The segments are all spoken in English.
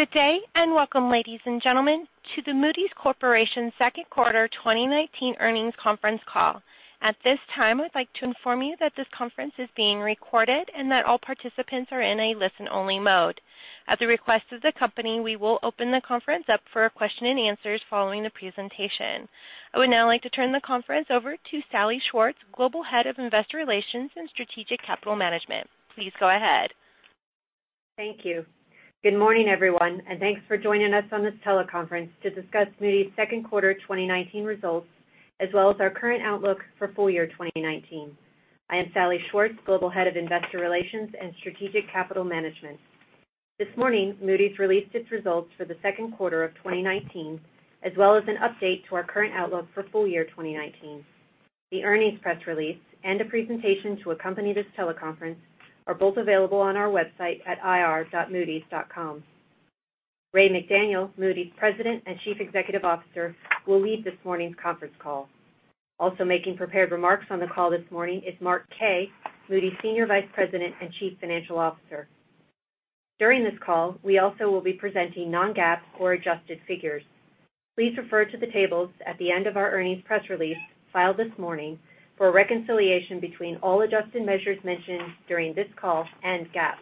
Good day, welcome, ladies and gentlemen, to the Moody's Corporation second quarter 2019 earnings conference call. At this time, I'd like to inform you that this conference is being recorded and that all participants are in a listen-only mode. At the request of the company, we will open the conference up for question and answers following the presentation. I would now like to turn the conference over to Salli Schwartz, Global Head of Investor Relations and Strategic Capital Management. Please go ahead. Thank you. Good morning, everyone, and thanks for joining us on this teleconference to discuss Moody's second quarter 2019 results, as well as our current outlook for full year 2019. I am Salli Schwartz, Global Head of Investor Relations and Strategic Capital Management. This morning, Moody's released its results for the second quarter of 2019, as well as an update to our current outlook for full year 2019. The earnings press release and a presentation to accompany this teleconference are both available on our website at ir.moodys.com. Ray McDaniel, Moody's President and Chief Executive Officer, will lead this morning's conference call. Also making prepared remarks on the call this morning is Mark Kaye, Moody's Senior Vice President and Chief Financial Officer. During this call, we also will be presenting non-GAAP or adjusted figures. Please refer to the tables at the end of our earnings press release filed this morning for a reconciliation between all adjusted measures mentioned during this call and GAAP.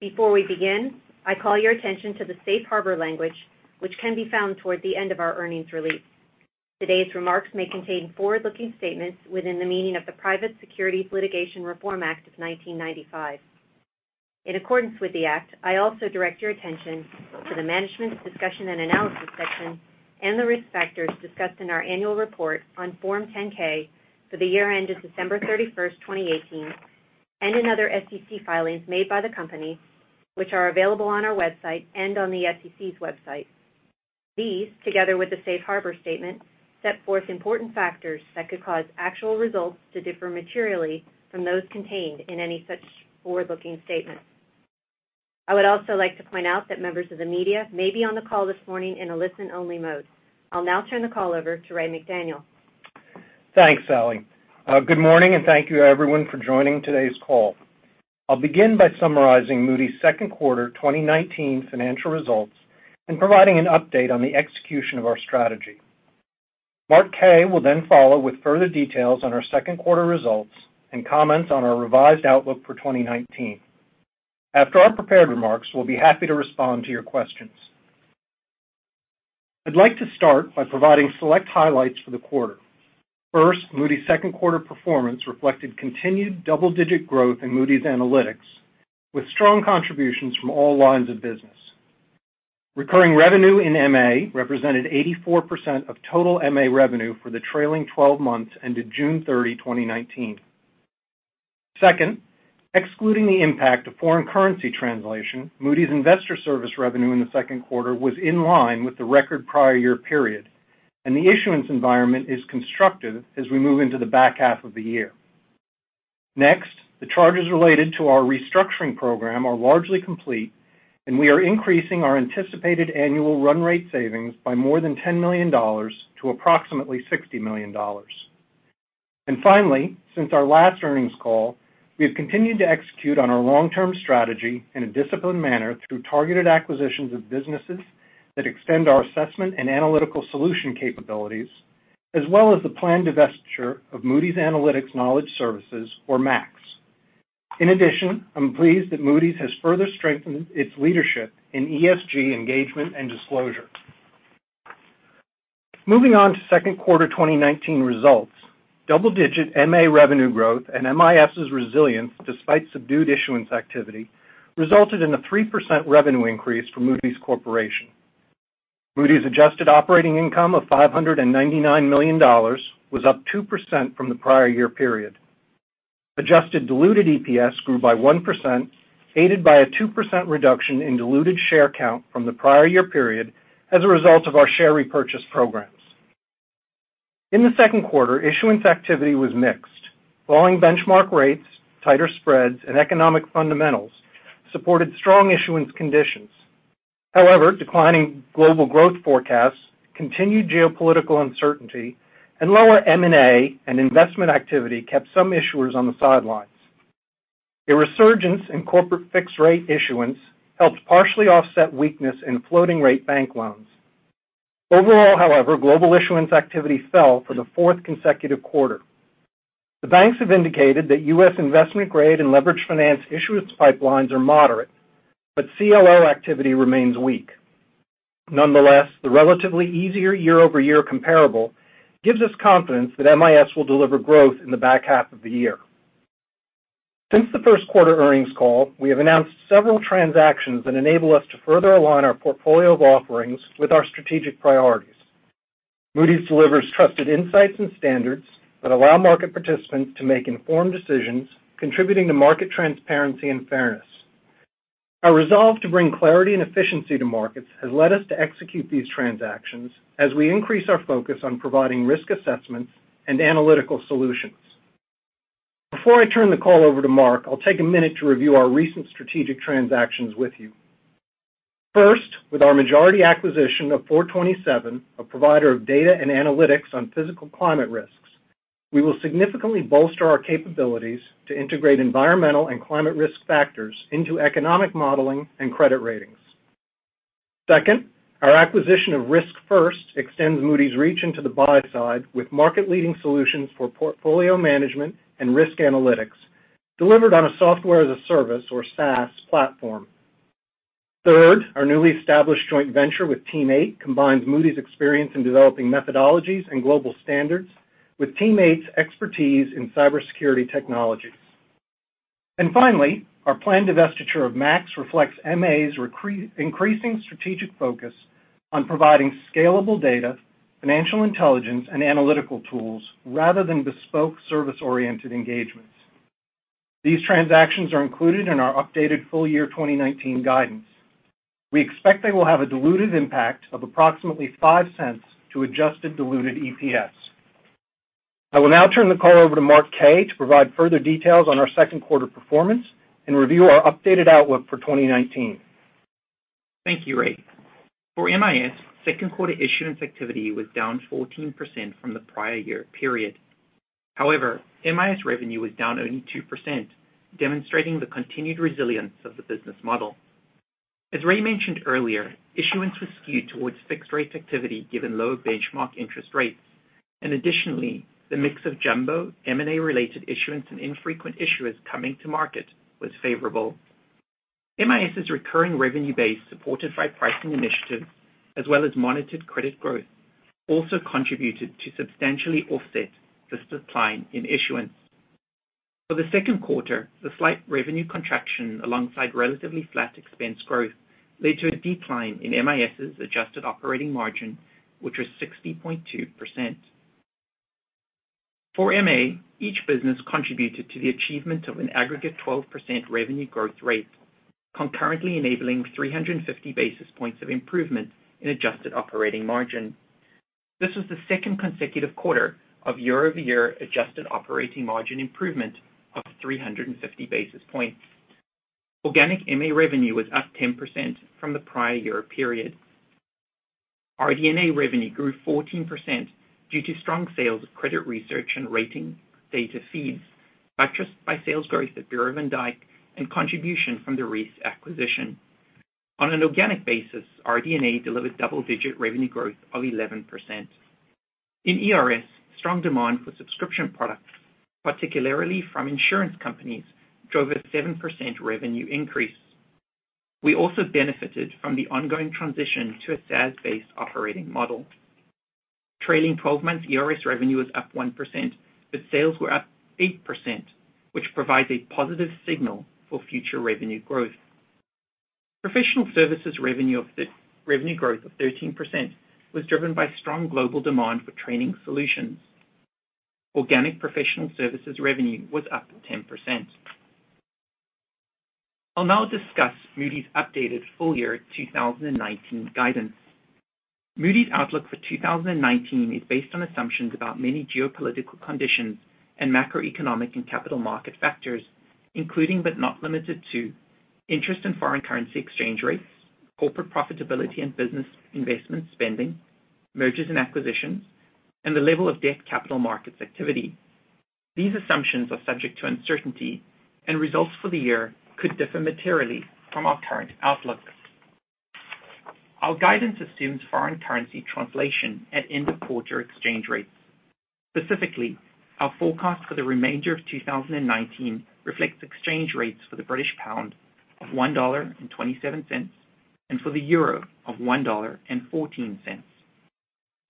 Before we begin, I call your attention to the safe harbor language, which can be found toward the end of our earnings release. Today's remarks may contain forward-looking statements within the meaning of the Private Securities Litigation Reform Act of 1995. In accordance with the act, I also direct your attention to the Management Discussion and Analysis section and the risk factors discussed in our annual report on Form 10-K for the year end of December 31st, 2018, and in other SEC filings made by the company, which are available on our website and on the SEC's website. These, together with the safe harbor statement, set forth important factors that could cause actual results to differ materially from those contained in any such forward-looking statements. I would also like to point out that members of the media may be on the call this morning in a listen-only mode. I'll now turn the call over to Ray McDaniel. Thanks, Salli. Good morning, and thank you, everyone, for joining today's call. I'll begin by summarizing Moody's second quarter 2019 financial results and providing an update on the execution of our strategy. Mark Kaye will follow with further details on our second quarter results and comments on our revised outlook for 2019. After our prepared remarks, we'll be happy to respond to your questions. I'd like to start by providing select highlights for the quarter. First, Moody's second quarter performance reflected continued double-digit growth in Moody's Analytics, with strong contributions from all lines of business. Recurring revenue in MA represented 84% of total MA revenue for the trailing 12 months ended June 30, 2019. Excluding the impact of foreign currency translation, Moody's Investors Service revenue in the second quarter was in line with the record prior year period, and the issuance environment is constructive as we move into the back half of the year. The charges related to our restructuring program are largely complete, and we are increasing our anticipated annual run rate savings by more than $10 million to approximately $60 million. Finally, since our last earnings call, we have continued to execute on our long-term strategy in a disciplined manner through targeted acquisitions of businesses that extend our assessment and analytical solution capabilities, as well as the planned divestiture of Moody's Analytics Knowledge Services, or MAKS. In addition, I'm pleased that Moody's has further strengthened its leadership in ESG engagement and disclosure. Moving on to second quarter 2019 results, double-digit MA revenue growth and MIS's resilience despite subdued issuance activity resulted in a 3% revenue increase for Moody's Corporation. Moody's adjusted operating income of $599 million was up 2% from the prior year period. Adjusted diluted EPS grew by 1%, aided by a 2% reduction in diluted share count from the prior year period as a result of our share repurchase programs. In the second quarter, issuance activity was mixed. Falling benchmark rates, tighter spreads, and economic fundamentals supported strong issuance conditions. However, declining global growth forecasts, continued geopolitical uncertainty, and lower M&A and investment activity kept some issuers on the sidelines. A resurgence in corporate fixed-rate issuance helped partially offset weakness in floating rate bank loans. Overall, however, global issuance activity fell for the fourth consecutive quarter. The banks have indicated that U.S. investment-grade and leveraged finance issuance pipelines are moderate, but CLO activity remains weak. Nonetheless, the relatively easier year-over-year comparable gives us confidence that MIS will deliver growth in the back half of the year. Since the first quarter earnings call, we have announced several transactions that enable us to further align our portfolio of offerings with our strategic priorities. Moody's delivers trusted insights and standards that allow market participants to make informed decisions, contributing to market transparency and fairness. Our resolve to bring clarity and efficiency to markets has led us to execute these transactions as we increase our focus on providing risk assessments and analytical solutions. Before I turn the call over to Mark, I'll take a minute to review our recent strategic transactions with you. First, with our majority acquisition of Four Twenty Seven, a provider of data and analytics on physical climate risks, we will significantly bolster our capabilities to integrate environmental and climate risk factors into economic modeling and credit ratings. Second, our acquisition of RiskFirst extends Moody's reach into the buy side with market-leading solutions for portfolio management and risk analytics delivered on a software as a service or SaaS platform. Third, our newly established joint venture with Team8 combines Moody's experience in developing methodologies and global standards with Team8's expertise in cybersecurity technologies. Finally, our planned divestiture of MAKS reflects MA's increasing strategic focus on providing scalable data, financial intelligence, and analytical tools rather than bespoke service-oriented engagements. These transactions are included in our updated full-year 2019 guidance. We expect they will have a diluted impact of approximately $0.05 to adjusted diluted EPS. I will now turn the call over to Mark Kaye. to provide further details on our second quarter performance and review our updated outlook for 2019. Thank you, Ray. For MIS, second quarter issuance activity was down 14% from the prior year period. However, MIS revenue was down only 2%, demonstrating the continued resilience of the business model. As Ray mentioned earlier, issuance was skewed towards fixed rate activity given low benchmark interest rates, and additionally, the mix of [jumbo] M&A-related issuance and infrequent issuers coming to market was favorable. MIS' recurring revenue base, supported by pricing initiatives as well as monitored credit growth, also contributed to substantially offset the decline in issuance. For the second quarter, the slight revenue contraction alongside relatively flat expense growth led to a decline in MIS' adjusted operating margin, which was 60.2%. For MA, each business contributed to the achievement of an aggregate 12% revenue growth rate, concurrently enabling 350 basis points of improvement in adjusted operating margin. This was the second consecutive quarter of year-over-year adjusted operating margin improvement of 350 basis points. Organic MA revenue was up 10% from the prior year period. RD&A revenue grew 14% due to strong sales of credit research and rating data feeds, buttressed by sales growth at Bureau van Dijk and contribution from the Reis acquisition. On an organic basis, RD&A delivered double-digit revenue growth of 11%. In ERS, strong demand for subscription products, particularly from insurance companies, drove a 7% revenue increase. We also benefited from the ongoing transition to a SaaS-based operating model. Trailing 12 months ERS revenue was up 1%, but sales were up 8%, which provides a positive signal for future revenue growth. Professional services revenue growth of 13% was driven by strong global demand for training solutions. Organic professional services revenue was up 10%. I'll now discuss Moody's updated full-year 2019 guidance. Moody's outlook for 2019 is based on assumptions about many geopolitical conditions and macroeconomic and capital market factors, including but not limited to interest and foreign currency exchange rates, corporate profitability and business investment spending, mergers and acquisitions, and the level of debt capital markets activity. These assumptions are subject to uncertainty, and results for the year could differ materially from our current outlooks. Our guidance assumes foreign currency translation at end-of-quarter exchange rates. Specifically, our forecast for the remainder of 2019 reflects exchange rates for the British pound of $1.27 and for the euro of $1.14.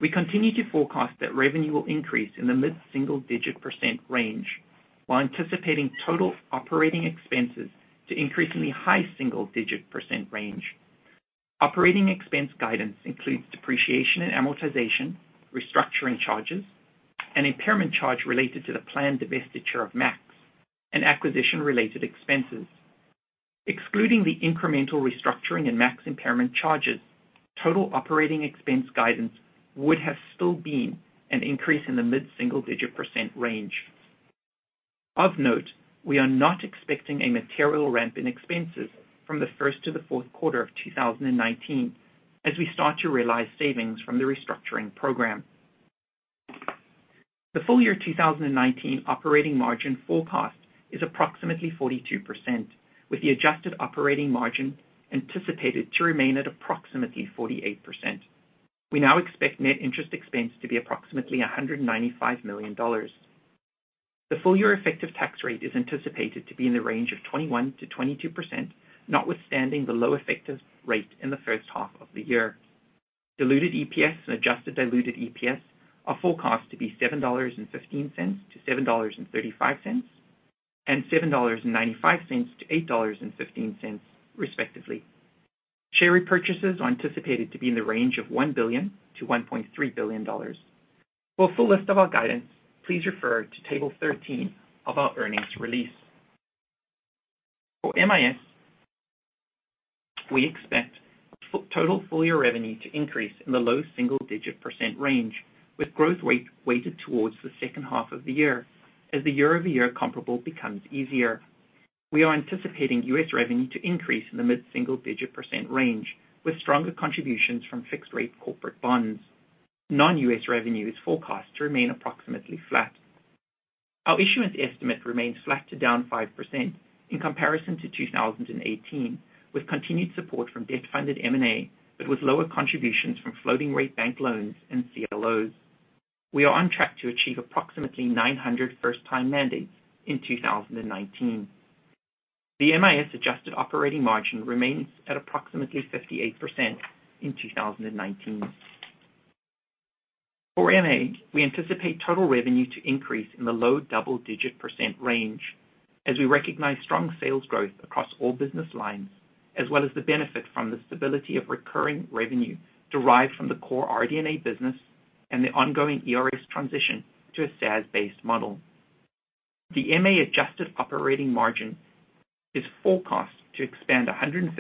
We continue to forecast that revenue will increase in the mid-single-digit percent range while anticipating total operating expenses to increase in the high single-digit percent range. Operating expense guidance includes depreciation and amortization, restructuring charges, an impairment charge related to the planned divestiture of MAKS, and acquisition-related expenses. Excluding the incremental restructuring and MAKS impairment charges, total operating expense guidance would have still been an increase in the mid-single digit percent range. Of note, we are not expecting a material ramp in expenses from the first to the fourth quarter of 2019 as we start to realize savings from the restructuring program. The full-year 2019 operating margin forecast is approximately 42%, with the adjusted operating margin anticipated to remain at approximately 48%. We now expect net interest expense to be approximately $195 million. The full-year effective tax rate is anticipated to be in the range of 21%-22%, notwithstanding the low effective rate in the first half of the year. Diluted EPS and adjusted diluted EPS are forecast to be $7.15-$7.35 and $7.95-$8.15, respectively. Share repurchases are anticipated to be in the range of $1 billion-$1.3 billion. For a full list of our guidance, please refer to Table 13 of our earnings release. For MIS, we expect total full-year revenue to increase in the low single-digit % range, with growth rate weighted towards the second half of the year. As the year-over-year comparable becomes easier, we are anticipating U.S. revenue to increase in the mid-single-digit % range with stronger contributions from fixed-rate corporate bonds. Non-U.S. revenue is forecast to remain approximately flat. Our issuance estimate remains flat to down 5% in comparison to 2018, with continued support from debt-funded M&A, but with lower contributions from floating-rate bank loans and CLOs. We are on track to achieve approximately 900 first-time mandates in 2019. The MIS adjusted operating margin remains at approximately 58% in 2019. For MA, we anticipate total revenue to increase in the low double-digit percent range as we recognize strong sales growth across all business lines, as well as the benefit from the stability of recurring revenue derived from the core RD&A business and the ongoing ERS transition to a SaaS-based model. The MA adjusted operating margin is forecast to expand 150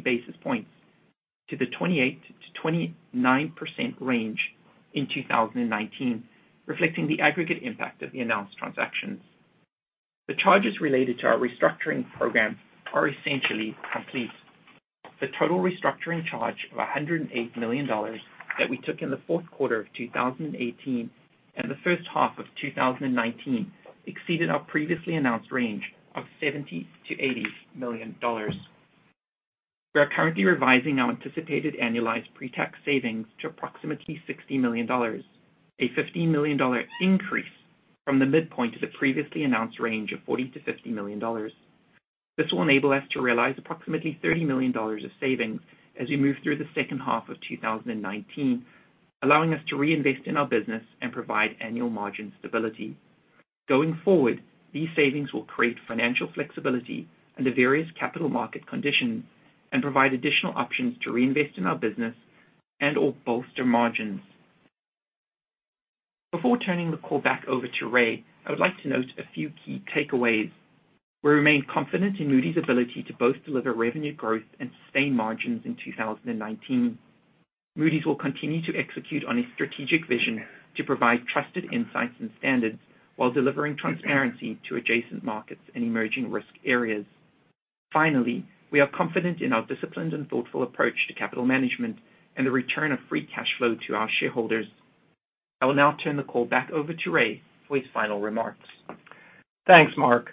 basis points-250 basis points to the 28%-29% range in 2019, reflecting the aggregate impact of the announced transactions. The charges related to our restructuring program are essentially complete. The total restructuring charge of $108 million that we took in the fourth quarter of 2018, and the first half of 2019 exceeded our previously announced range of $70 million-$80 million. We are currently revising our anticipated annualized pre-tax savings to approximately $60 million, a $15 million increase from the midpoint of the previously announced range of $40 million-$50 million. This will enable us to realize approximately $30 million of savings as we move through the second half of 2019, allowing us to reinvest in our business and provide annual margin stability. Going forward, these savings will create financial flexibility under various capital market conditions and provide additional options to reinvest in our business and/or bolster margins. Before turning the call back over to Ray, I would like to note a few key takeaways. We remain confident in Moody's ability to both deliver revenue growth and sustain margins in 2019. Moody's will continue to execute on a strategic vision to provide trusted insights and standards while delivering transparency to adjacent markets and emerging risk areas. Finally, we are confident in our disciplined and thoughtful approach to capital management and the return of free cash flow to our shareholders. I will now turn the call back over to Ray for his final remarks. Thanks, Mark.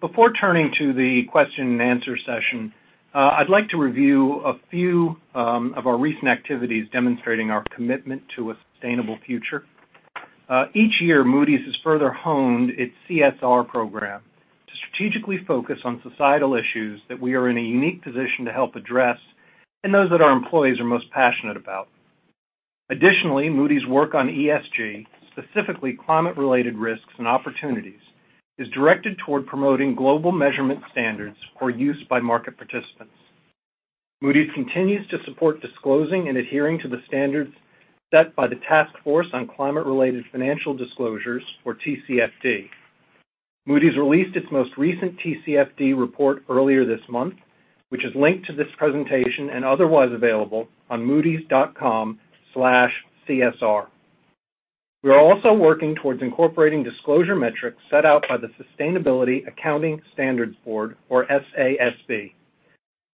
Before turning to the question-and-answer session, I'd like to review a few of our recent activities demonstrating our commitment to a sustainable future. Each year, Moody's has further honed its CSR program to strategically focus on societal issues that we are in a unique position to help address and those that our employees are most passionate about. Additionally, Moody's work on ESG, specifically climate-related risks and opportunities, is directed toward promoting global measurement standards for use by market participants. Moody's continues to support disclosing and adhering to the standards set by the Task Force on Climate-related Financial Disclosures, or TCFD. Moody's released its most recent TCFD report earlier this month, which is linked to this presentation and otherwise available on moodys.com/csr. We are also working towards incorporating disclosure metrics set out by the Sustainability Accounting Standards Board, or SASB.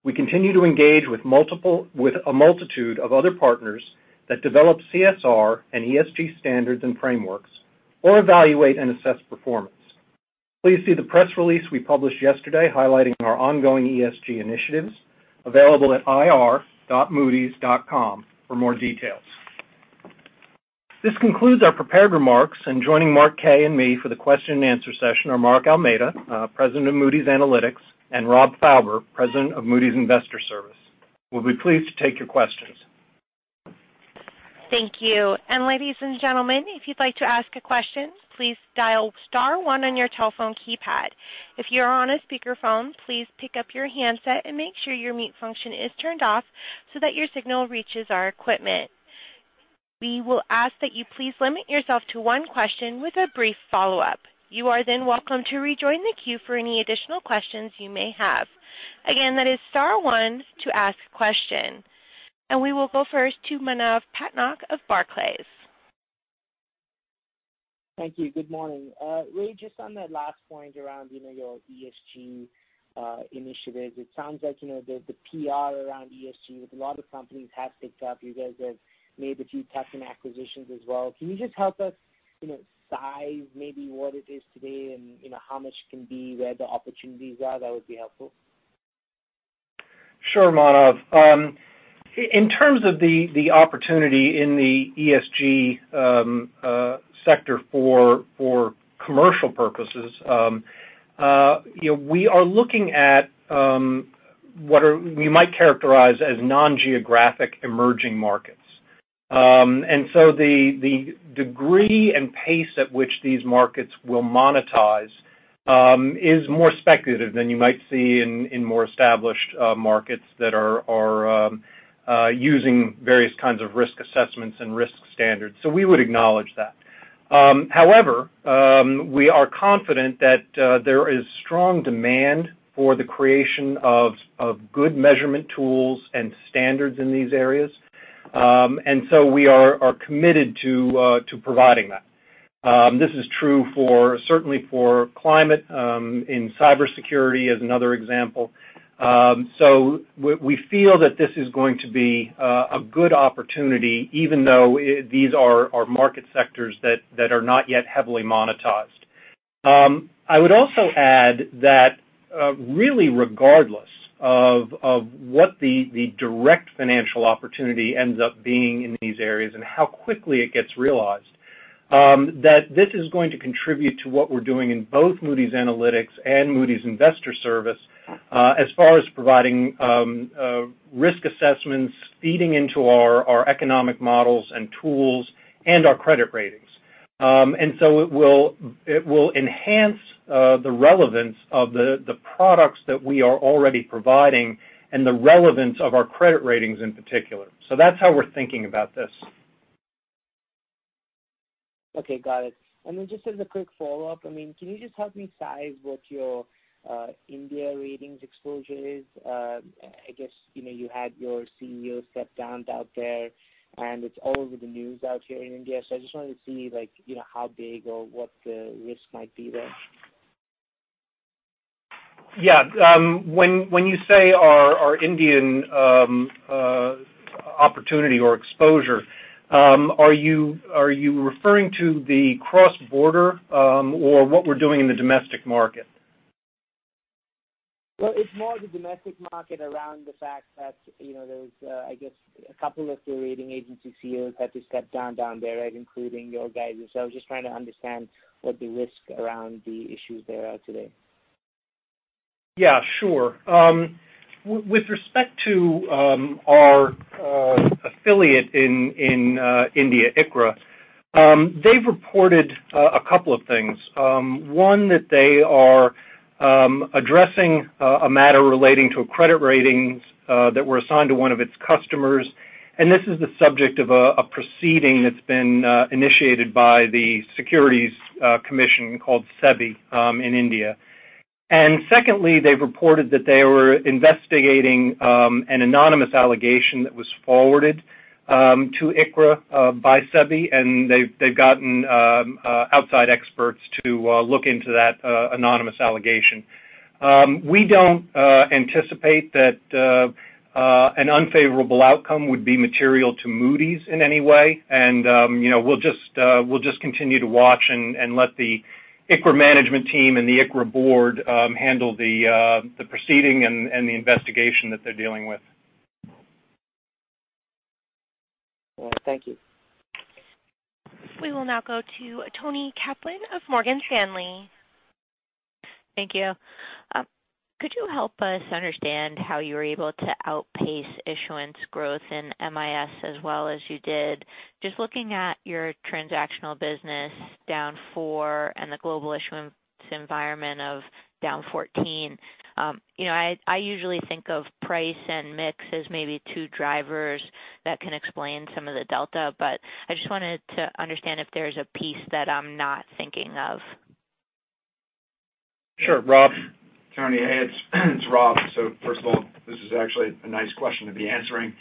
We continue to engage with a multitude of other partners that develop CSR and ESG standards and frameworks or evaluate and assess performance. Please see the press release we published yesterday highlighting our ongoing ESG initiatives, available at ir.moodys.com for more details. This concludes our prepared remarks and joining Mark K. and me for the question-and-answer session are Mark Almeida, President of Moody's Analytics, and Rob Fauber, President of Moody's Investors Service. We'll be pleased to take your questions. Thank you. Ladies and gentlemen, if you'd like to ask a question, please dial star one on your telephone keypad. If you are on a speakerphone, please pick up your handset and make sure your mute function is turned off so that your signal reaches our equipment. We will ask that you please limit yourself to one question with a brief follow-up. You are then welcome to rejoin the queue for any additional questions you may have. Again, that is star one to ask a question. We will go first to Manav Patnaik of Barclays. Thank you. Good morning. Ray, just on that last point around your ESG initiatives, it sounds like the PR around ESG with a lot of companies has picked up. You guys have made a few [tuck-in] acquisitions as well. Can you just help us size maybe what it is today and how much can be where the opportunities are? That would be helpful. Sure, Manav. In terms of the opportunity in the ESG sector for commercial purposes, we are looking at what you might characterize as non-geographic emerging markets. The degree and pace at which these markets will monetize is more speculative than you might see in more established markets that are using various kinds of risk assessments and risk standards. We would acknowledge that. However, we are confident that there is strong demand for the creation of good measurement tools and standards in these areas. We are committed to providing that. This is true certainly for climate, and cybersecurity is another example. We feel that this is going to be a good opportunity even though these are market sectors that are not yet heavily monetized. I would also add that really regardless of what the direct financial opportunity ends up being in these areas and how quickly it gets realized, that this is going to contribute to what we're doing in both Moody's Analytics and Moody's Investors Service as far as providing risk assessments, feeding into our economic models and tools, and our credit ratings. It will enhance the relevance of the products that we are already providing and the relevance of our credit ratings in particular. That's how we're thinking about this. Okay. Got it. Just as a quick follow-up, can you just help me size what your India ratings exposure is? I guess, you had your CEO step down out there, and it's all over the news out here in India. I just wanted to see how big or what the risk might be there. Yeah. When you say our Indian opportunity or exposure, are you referring to the cross-border or what we're doing in the domestic market? Well, it's more the domestic market around the fact that there's, I guess, a couple of the rating agency CEOs had to step down there, including your guys. I was just trying to understand what the risk around the issues there are today. Yeah, sure. With respect to our affiliate in India, ICRA, they've reported a couple of things. One, that they are addressing a matter relating to credit ratings that were assigned to one of its customers, and this is the subject of a proceeding that's been initiated by the securities commission called SEBI in India. Secondly, they've reported that they were investigating an anonymous allegation that was forwarded to ICRA by SEBI, and they've gotten outside experts to look into that anonymous allegation. We don't anticipate that an unfavorable outcome would be material to Moody's in any way. We'll just continue to watch and let the ICRA management team and the ICRA board handle the proceeding and the investigation that they're dealing with. Well, thank you. We will now go to Toni Kaplan of Morgan Stanley. Thank you. Could you help us understand how you were able to outpace issuance growth in MIS as well as you did? Just looking at your transactional business down 4% and the global issuance environment of down 14%. I usually think of price and mix as maybe two drivers that can explain some of the delta, but I just wanted to understand if there's a piece that I'm not thinking of. Sure. Rob. Toni, hey, it's Rob. First of all, this is actually a nice question to be answering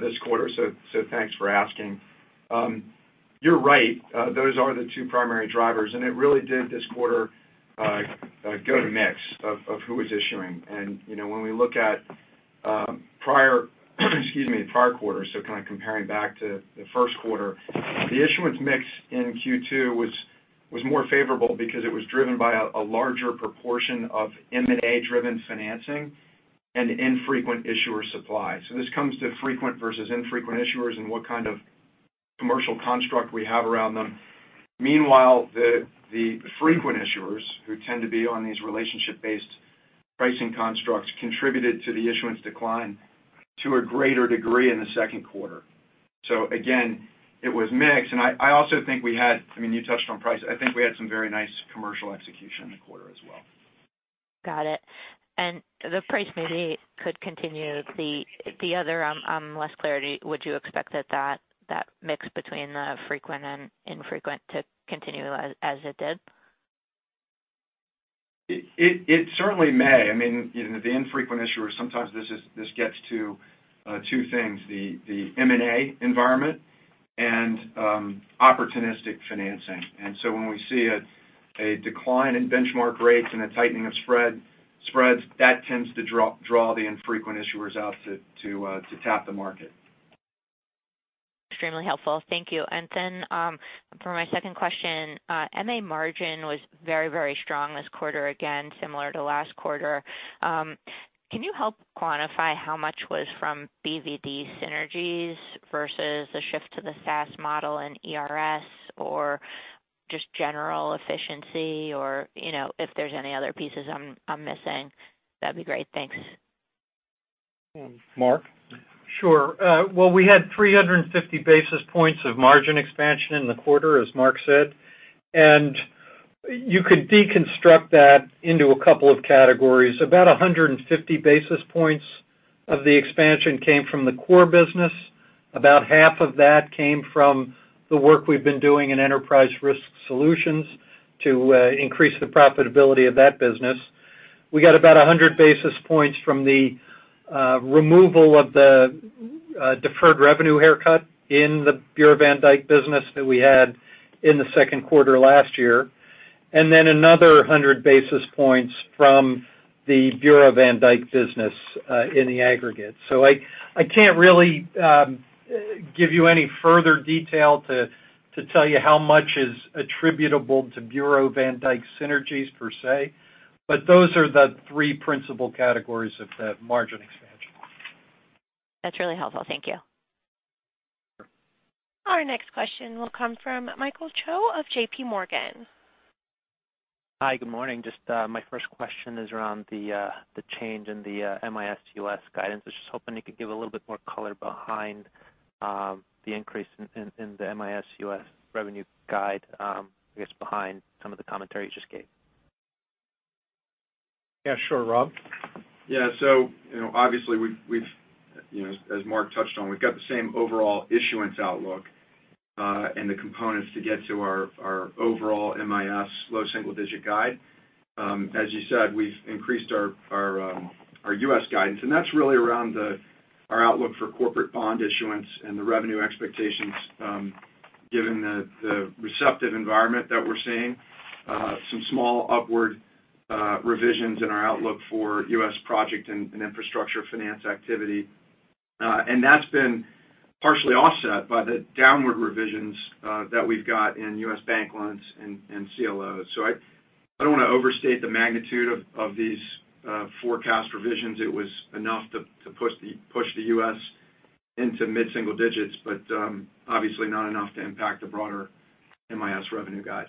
this quarter, so thanks for asking. You're right. Those are the two primary drivers, and it really did this quarter go to mix of who was issuing. When we look at prior quarters, so kind of comparing back to the first quarter, the issuance mix in Q2 was more favorable because it was driven by a larger proportion of M&A-driven financing and infrequent issuer supply. This comes to frequent versus infrequent issuers and what kind of commercial construct we have around them. Meanwhile, the frequent issuers, who tend to be on these relationship-based pricing constructs, contributed to the issuance decline to a greater degree in the second quarter. Again, it was mix, and I also think we had, you touched on price. I think we had some very nice commercial execution in the quarter as well. Got it. The price maybe could continue the other, less clarity. Would you expect that mix between the frequent and infrequent to continue as it did? It certainly may. The infrequent issuers, sometimes this gets to two things, the M&A environment and opportunistic financing. When we see a decline in benchmark rates and a tightening of spreads, that tends to draw the infrequent issuers out to tap the market. Extremely helpful. Thank you. For my second question, MA margin was very strong this quarter, again, similar to last quarter. Can you help quantify how much was from BvD synergies versus the shift to the SaaS model in ERS or just general efficiency or if there's any other pieces I'm missing? That'd be great. Thanks. Mark? Sure. Well, we had 350 basis points of margin expansion in the quarter, as Mark said. You could deconstruct that into a couple of categories. About 150 basis points of the expansion came from the core business. About half of that came from the work we've been doing in Enterprise Risk Solutions to increase the profitability of that business. We got about 100 basis points from the removal of the deferred revenue haircut in the Bureau van Dijk business that we had in the second quarter last year, and then another 100 basis points from the Bureau van Dijk business in the aggregate. I can't really give you any further detail to tell you how much is attributable to Bureau van Dijk synergies per se. Those are the three principal categories of that margin expansion. That's really helpful. Thank you. Our next question will come from Michael Cho of JPMorgan. Hi, good morning. Just my first question is around the change in the MIS U.S. guidance. I was just hoping you could give a little bit more color behind the increase in the MIS U.S. revenue guide, I guess behind some of the commentary you just gave. Yeah, sure. Rob? Yeah. Obviously as Mark touched on, we've got the same overall issuance outlook, and the components to get to our overall MIS low single digit guide. As you said, we've increased our U.S. guidance, that's really around our outlook for corporate bond issuance and the revenue expectations given the receptive environment that we're seeing. Some small upward revisions in our outlook for U.S. project and infrastructure finance activity. That's been partially offset by the downward revisions that we've got in U.S. bank loans and CLOs. I don't want to overstate the magnitude of these forecast revisions. It was enough to push the U.S. into mid-single digits, obviously not enough to impact the broader MIS revenue guide.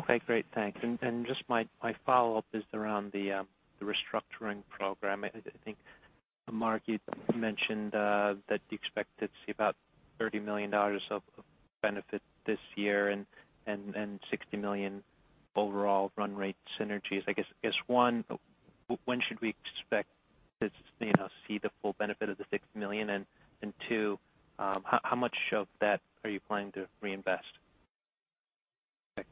Okay, great. Thanks. Just my follow-up is around the restructuring program. I think, Mark, you mentioned that you expect to see about $30 million of benefit this year and $60 million overall run rate synergies. I guess, one, when should we expect to see the full benefit of the $60 million? Two, how much of that are you planning to reinvest? Thanks.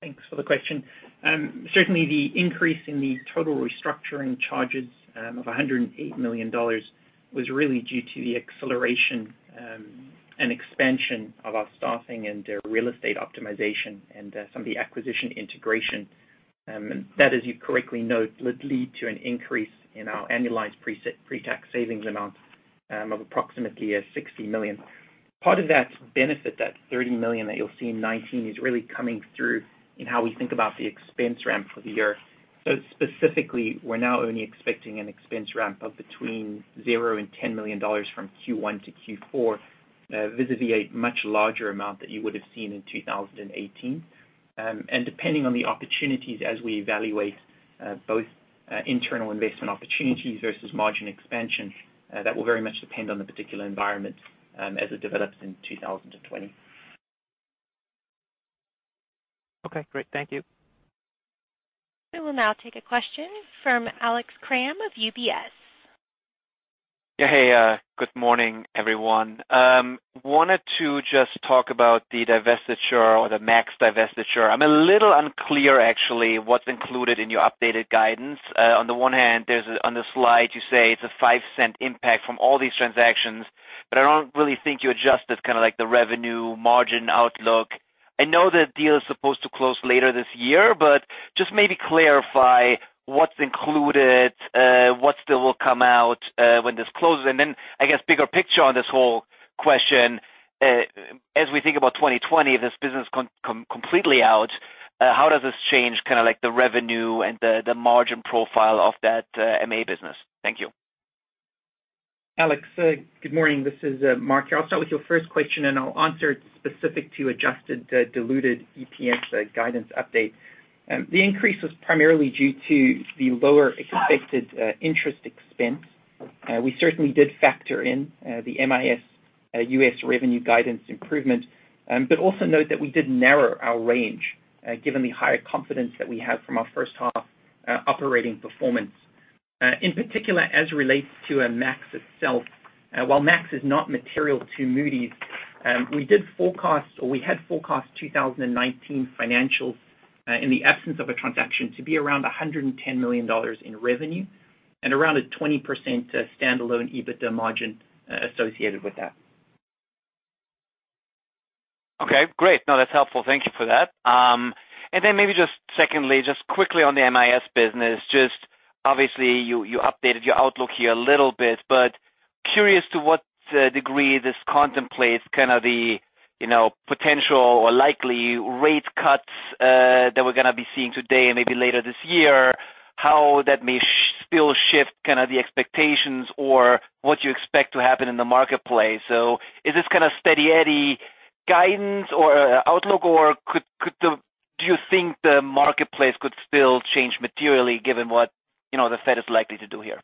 Thanks for the question. Certainly, the increase in the total restructuring charges of $108 million was really due to the acceleration and expansion of our staffing and real estate optimization and some of the acquisition integration. That, as you correctly note, would lead to an increase in our annualized pre-tax savings amount of approximately $60 million. Part of that benefit, that $30 million that you'll see in 2019, is really coming through in how we think about the expense ramp for the year. Specifically, we're now only expecting an expense ramp of between $0 and $10 million from Q1 to Q4, vis-à-vis a much larger amount that you would have seen in 2018. Depending on the opportunities as we evaluate both internal investment opportunities versus margin expansion, that will very much depend on the particular environment as it develops in 2020. Okay, great. Thank you. We will now take a question from Alex Kramm of UBS. Yeah. Hey, good morning, everyone. Wanted to just talk about the divestiture or the MAKS divestiture. I'm a little unclear actually what's included in your updated guidance. On the one hand, on the slide you say it's a $0.05 impact from all these transactions, I don't really think you adjusted kind of the revenue margin outlook. I know the deal is supposed to close later this year, just maybe clarify what's included, what still will come out when this closes. Then I guess bigger picture on this whole question, as we think about 2020, this business completely out, how does this change kind of the revenue and the margin profile of that MA business? Thank you. Alex, good morning. This is Mark here. I'll start with your first question, and I'll answer specific to adjusted diluted EPS guidance update. The increase was primarily due to the lower expected interest expense. We certainly did factor in the MIS U.S. revenue guidance improvement. Also note that we did narrow our range given the higher confidence that we have from our first half operating performance. In particular as it relates to MAKS itself, while MAKS is not material to Moody's, we had forecast 2019 financials in the absence of a transaction to be around $110 million in revenue and around a 20% standalone EBITDA margin associated with that. Okay, great. No, that's helpful. Thank you for that. Maybe just secondly, just quickly on the MIS business. Obviously you updated your outlook here a little bit, but curious to what degree this contemplates kind of the potential or likely rate cuts that we're going to be seeing today and maybe later this year, how that may still shift kind of the expectations or what you expect to happen in the marketplace. Is this kind of steady Eddy guidance or outlook, or do you think the marketplace could still change materially given what the Fed is likely to do here?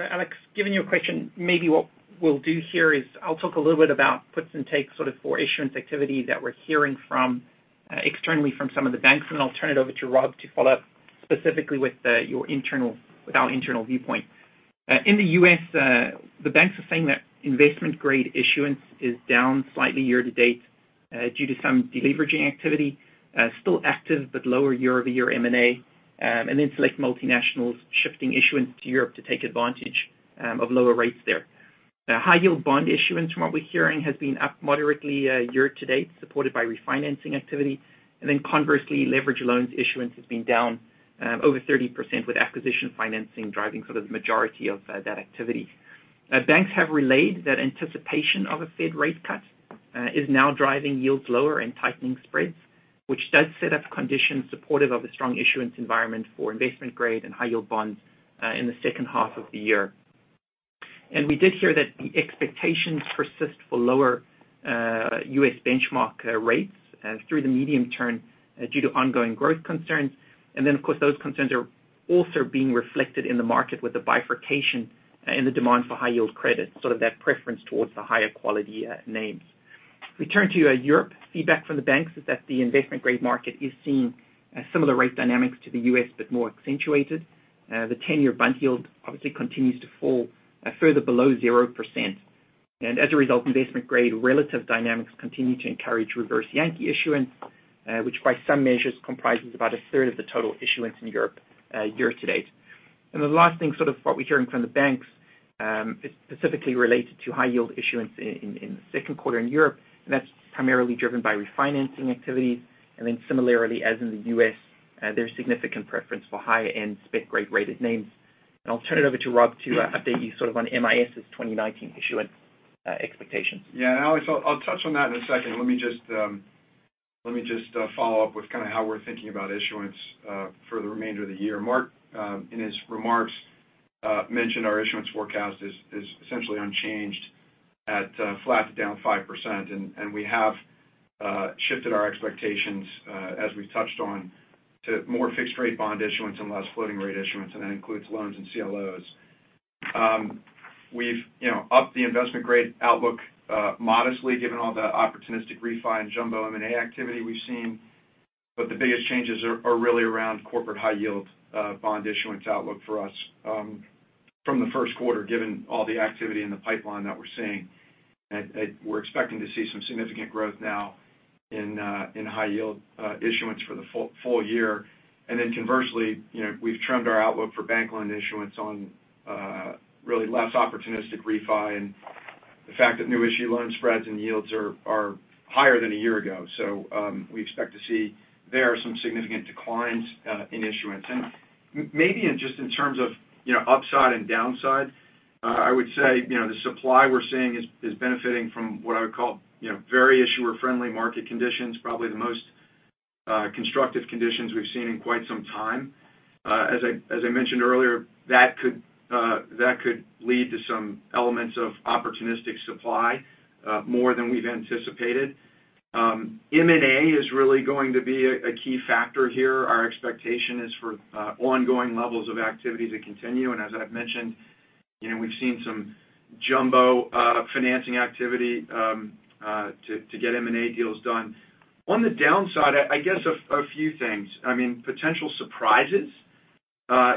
Alex, given your question, maybe what we'll do here is I'll talk a little bit about puts and takes for issuance activity that we're hearing externally from some of the banks, and then I'll turn it over to Rob to follow up specifically with our internal viewpoint. In the U.S., the banks are saying that investment-grade issuance is down slightly year-to-date due to some deleveraging activity, still active, but lower year-over-year M&A, and then select multinationals shifting issuance to Europe to take advantage of lower rates there. High yield bond issuance, from what we're hearing, has been up moderately year-to-date, supported by refinancing activity. Conversely, leverage loans issuance has been down over 30%, with acquisition financing driving the majority of that activity. Banks have relayed that anticipation of a Fed rate cut is now driving yields lower and tightening spreads, which does set up conditions supportive of a strong issuance environment for investment-grade and high-yield bonds in the second half of the year. We did hear that the expectations persist for lower U.S. benchmark rates through the medium term due to ongoing growth concerns. Then, of course, those concerns are also being reflected in the market with a bifurcation in the demand for high-yield credit, sort of that preference towards the higher quality names. We turn to Europe. Feedback from the banks is that the investment-grade market is seeing similar rate dynamics to the U.S., but more accentuated. The 10-year bund yield obviously continues to fall further below 0%. As a result, investment-grade relative dynamics continue to encourage reverse Yankee issuance, which by some measures comprises about 1/3 of the total issuance in Europe year-to-date. The last thing, sort of what we're hearing from the banks, is specifically related to high-yield issuance in the second quarter in Europe, and that's primarily driven by refinancing activities. Similarly, as in the U.S., there's significant preference for high-end spec-grade rated names. I'll turn it over to Rob to update you sort of on MIS's 2019 issuance expectations. Alex Kramm, I'll touch on that in a second. Let me just follow up with kind of how we're thinking about issuance for the remainder of the year. Mark, in his remarks, mentioned our issuance forecast is essentially unchanged at flat to down 5%. We have shifted our expectations, as we've touched on, to more fixed-rate bond issuance and less floating rate issuance. That includes loans and CLOs. We've upped the investment-grade outlook modestly given all the opportunistic refi and jumbo M&A activity we've seen. The biggest changes are really around corporate high-yield bond issuance outlook for us from the first quarter, given all the activity in the pipeline that we're seeing. We're expecting to see some significant growth now in high-yield issuance for the full year. Then conversely, we've trimmed our outlook for bank loan issuance on really less opportunistic refi and the fact that new issue loan spreads and yields are higher than a year ago. We expect to see there some significant declines in issuance. Maybe just in terms of upside and downside, I would say the supply we're seeing is benefiting from what I would call very issuer-friendly market conditions, probably the most constructive conditions we've seen in quite some time. As I mentioned earlier, that could lead to some elements of opportunistic supply more than we've anticipated. M&A is really going to be a key factor here. Our expectation is for ongoing levels of activity to continue, and as I've mentioned, we've seen some jumbo financing activity to get M&A deals done. On the downside, I guess a few things. I mean, potential surprises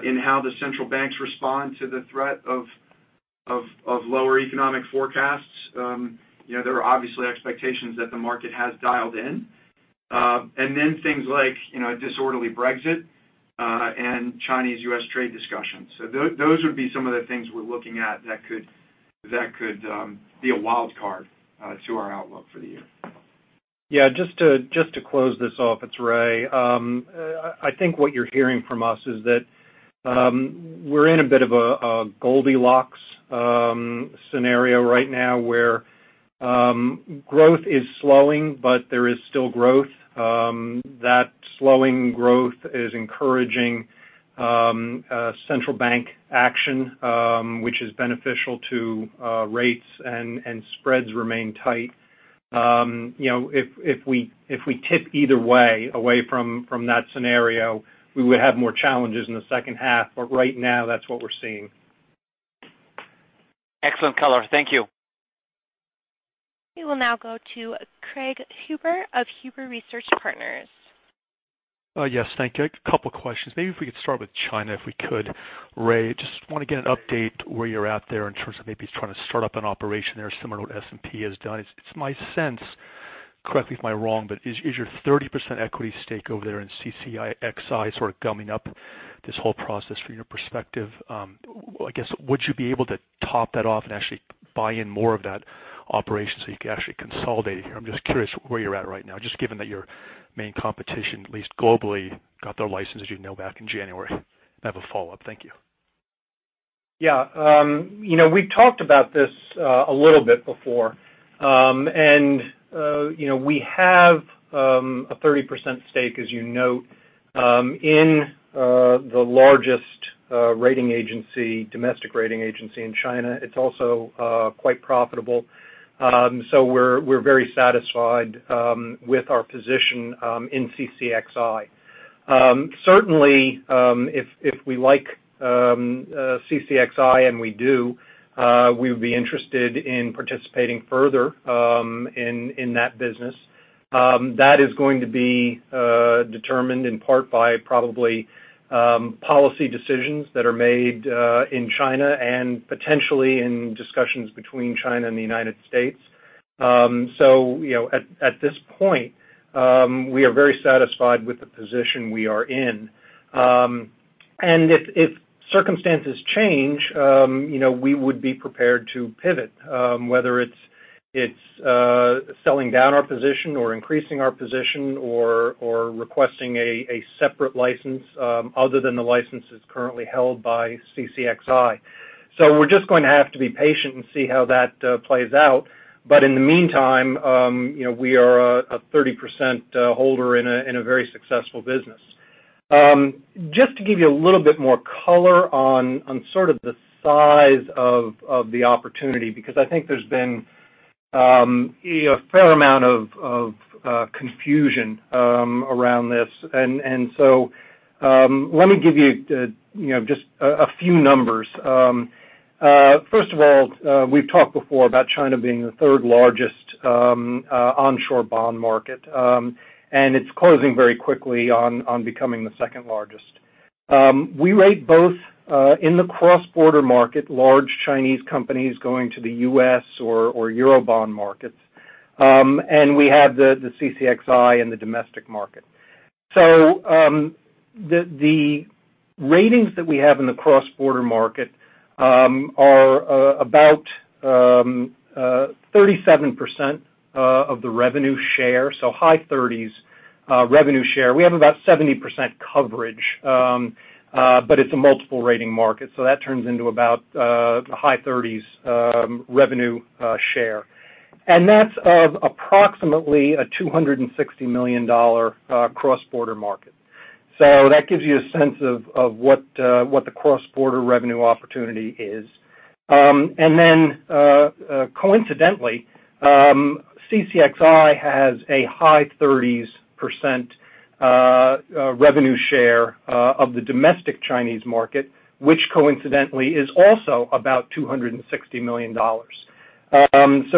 in how the central banks respond to the threat of lower economic forecasts. There are obviously expectations that the market has dialed in. Things like a disorderly Brexit and Chinese-U.S. trade discussions. Those would be some of the things we're looking at that could be a wild card to our outlook for the year. Just to close this off. It's Ray. I think what you're hearing from us is that we're in a bit of a Goldilocks scenario right now, where growth is slowing, but there is still growth. That slowing growth is encouraging central bank action which is beneficial to rates and spreads remain tight. If we tip either way away from that scenario, we would have more challenges in the second half. Right now, that's what we're seeing. Excellent color. Thank you. We will now go to Craig Huber of Huber Research Partners. Yes, thank you. A couple of questions. Maybe if we could start with China, if we could. Ray, just want to get an update where you're at there in terms of maybe trying to start up an operation there similar to what S&P has done. It's my sense, correct me if I'm wrong, but is your 30% equity stake over there in CCXI sort of gumming up this whole process from your perspective? I guess, would you be able to top that off and actually buy in more of that operation so you can actually consolidate here? I'm just curious where you're at right now, just given that your main competition, at least globally, got their license, as you know, back in January. I have a follow-up. Thank you. Yeah. We've talked about this a little bit before. We have a 30% stake, as you note, in the largest domestic rating agency in China. It's also quite profitable. We're very satisfied with our position in CCXI. Certainly, if we like CCXI, and we do, we would be interested in participating further in that business. That is going to be determined in part by probably policy decisions that are made in China and potentially in discussions between China and the United States. At this point, we are very satisfied with the position we are in. If circumstances change, we would be prepared to pivot, whether it's selling down our position or increasing our position or requesting a separate license other than the licenses currently held by CCXI. We're just going to have to be patient and see how that plays out. In the meantime, we are a 30% holder in a very successful business. Just to give you a little bit more color on sort of the size of the opportunity, because I think there's been a fair amount of confusion around this. Let me give you just a few numbers. First of all, we've talked before about China being the third largest onshore bond market, and it's closing very quickly on becoming the second largest. We rate both in the cross-border market, large Chinese companies going to the U.S. or Euro bond markets, and we have the CCXI in the domestic market. The ratings that we have in the cross-border market are about 37% of the revenue share, so high 30s revenue share. We have about 70% coverage, but it's a multiple rating market, so that turns into about the high 30s revenue share. That's of approximately a $260 million cross-border market. That gives you a sense of what the cross-border revenue opportunity is. Then, coincidentally, CCXI has a high 30% revenue share of the domestic Chinese market, which coincidentally is also about $260 million.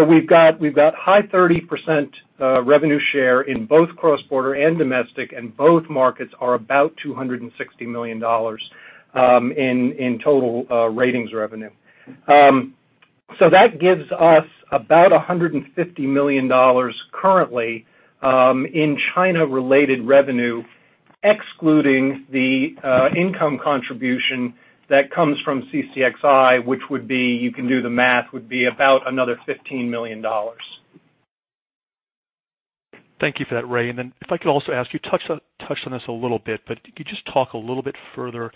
We've got high 30% revenue share in both cross-border and domestic, and both markets are about $260 million in total ratings revenue. That gives us about $150 million currently in China-related revenue, excluding the income contribution that comes from CCXI, which would be, you can do the math, would be about another $15 million. Thank you for that, Ray. If I could also ask you touched on this a little bit, but could you just talk a little bit further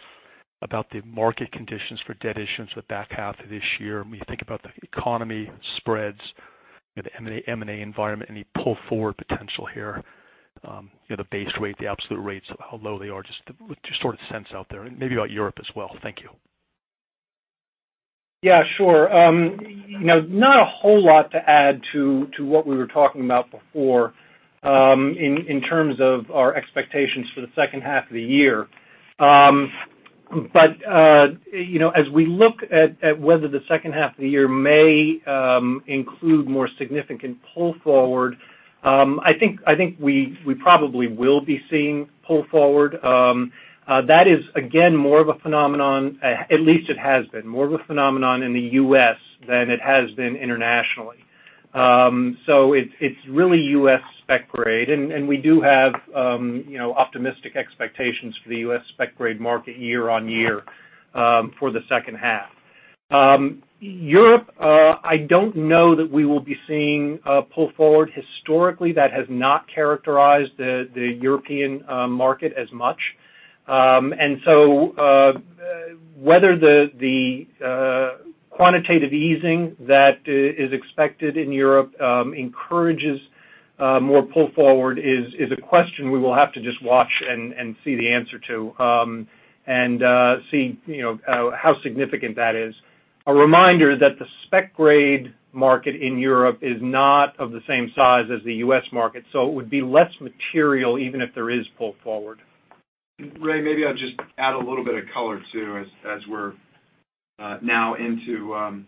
about the market conditions for debt issuance the back half of this year when you think about the economy spreads, the M&A environment, any pull forward potential here, the base rate, the absolute rates, how low they are, just to sort of sense out there, and maybe about Europe as well. Thank you. Yeah, sure. Not a whole lot to add to what we were talking about before in terms of our expectations for the second half of the year. As we look at whether the second half of the year may include more significant pull forward, I think we probably will be seeing pull forward. That is, again, more of a phenomenon, at least it has been more of a phenomenon in the U.S. than it has been internationally. It's really U.S. spec grade, and we do have optimistic expectations for the U.S. spec grade market year-on-year for the second half. Europe, I don't know that we will be seeing a pull forward. Historically, that has not characterized the European market as much. Whether the quantitative easing that is expected in Europe encourages more pull forward is a question we will have to just watch and see the answer to and see how significant that is. A reminder that the spec grade market in Europe is not of the same size as the U.S. market, so it would be less material even if there is pull forward. Ray, maybe I'll just add a little bit of color, too, as we're now into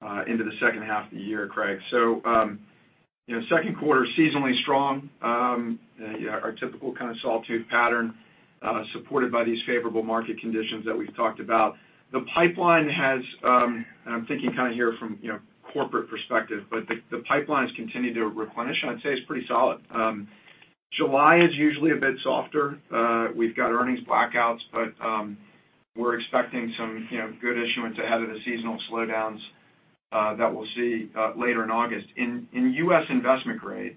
the second half of the year, Craig. Second quarter, seasonally strong. Our typical kind of sawtooth pattern supported by these favorable market conditions that we've talked about. The pipeline has, and I'm thinking kind of here from corporate perspective, but the pipelines continue to replenish. I'd say it's pretty solid. July is usually a bit softer. We've got earnings blackouts, but we're expecting some good issuance ahead of the seasonal slowdowns that we'll see later in August. In U.S. investment grade,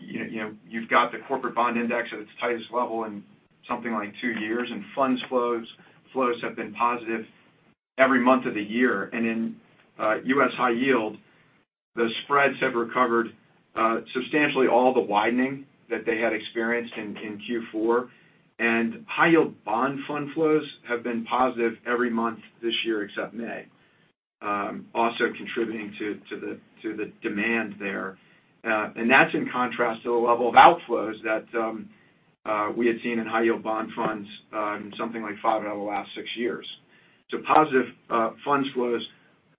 you've got the corporate bond index at its tightest level in something like 2 years, funds flows have been positive every month of the year. In U.S. high yield, the spreads have recovered substantially all the widening that they had experienced in Q4. High yield bond fund flows have been positive every month this year except May, also contributing to the demand there. That's in contrast to the level of outflows that we had seen in high yield bond funds in something like five out of the last six years. Positive funds flows.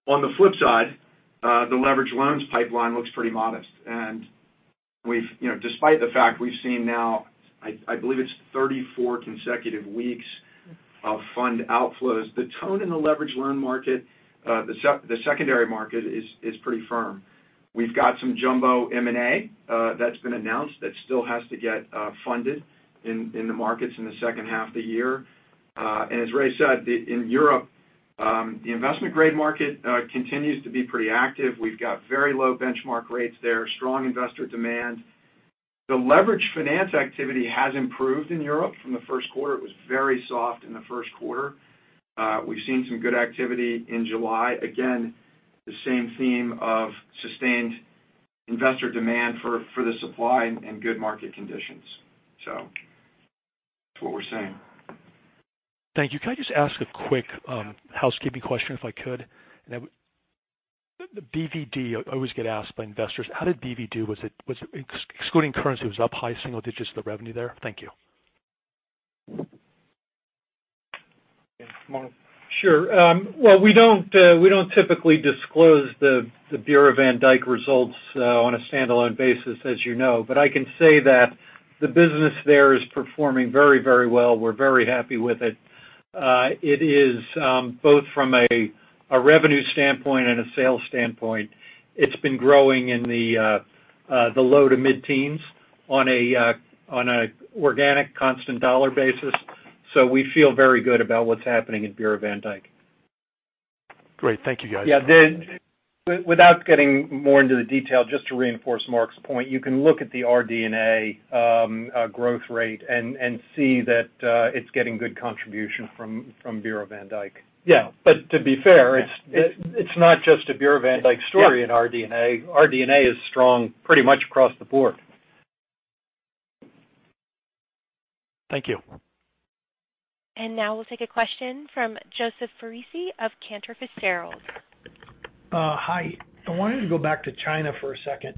On the flip side, the leverage loans pipeline looks pretty modest. Despite the fact we've seen now, I believe it's 34 consecutive weeks of fund outflows, the tone in the leverage loan market, the secondary market, is pretty firm. We've got some jumbo M&A that's been announced that still has to get funded in the markets in the second half of the year. As Ray said, in Europe, the investment-grade market continues to be pretty active. We've got very low benchmark rates there, strong investor demand. The leveraged finance activity has improved in Europe from the first quarter. It was very soft in the first quarter. We've seen some good activity in July. Again, the same theme of sustained investor demand for the supply and good market conditions. That's what we're seeing. Thank you. Can I just ask a quick housekeeping question if I could? The BvD, I always get asked by investors, how did BvD do? Excluding currency, it was up high single digits for revenue there? Thank you. Yeah. Mark? Sure. We don't typically disclose the Bureau van Dijk results on a standalone basis, as you know. I can say that the business there is performing very well. We're very happy with it. It is both from a revenue standpoint and a sales standpoint. It's been growing in the low to mid-teens on a organic constant dollar basis. We feel very good about what's happening at Bureau van Dijk. Great. Thank you, guys. Yeah. Without getting more into the detail, just to reinforce Mark's point, you can look at the RD&A growth rate and see that it's getting good contribution from Bureau van Dijk. Yeah. To be fair, it's not just a Bureau van Dijk story in RD&A. RD&A is strong pretty much across the board. Thank you. Now we'll take a question from Joseph Foresi of Cantor Fitzgerald. Hi. I wanted to go back to China for a second.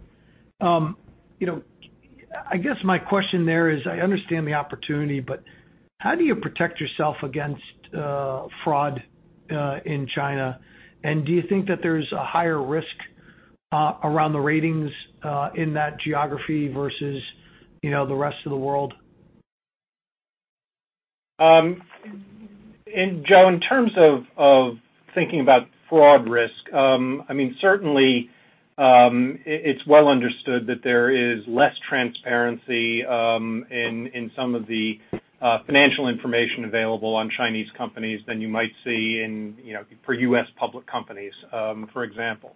I guess my question there is, I understand the opportunity. How do you protect yourself against fraud in China? Do you think that there's a higher risk around the ratings in that geography versus the rest of the world? Joe, in terms of thinking about fraud risk, certainly, it's well understood that there is less transparency in some of the financial information available on Chinese companies than you might see for U.S. public companies, for example.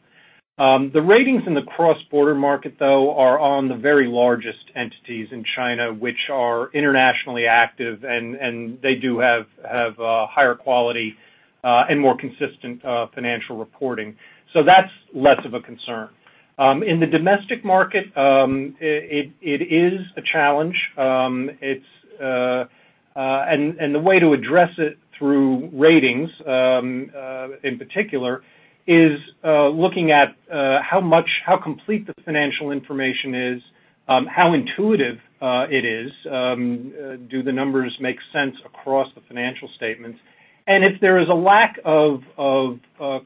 The ratings in the cross-border market, though, are on the very largest entities in China, which are internationally active, and they do have higher quality and more consistent financial reporting. That's less of a concern. In the domestic market, it is a challenge. The way to address it through ratings, in particular, is looking at how complete the financial information is, how intuitive it is. Do the numbers make sense across the financial statements? If there is a lack of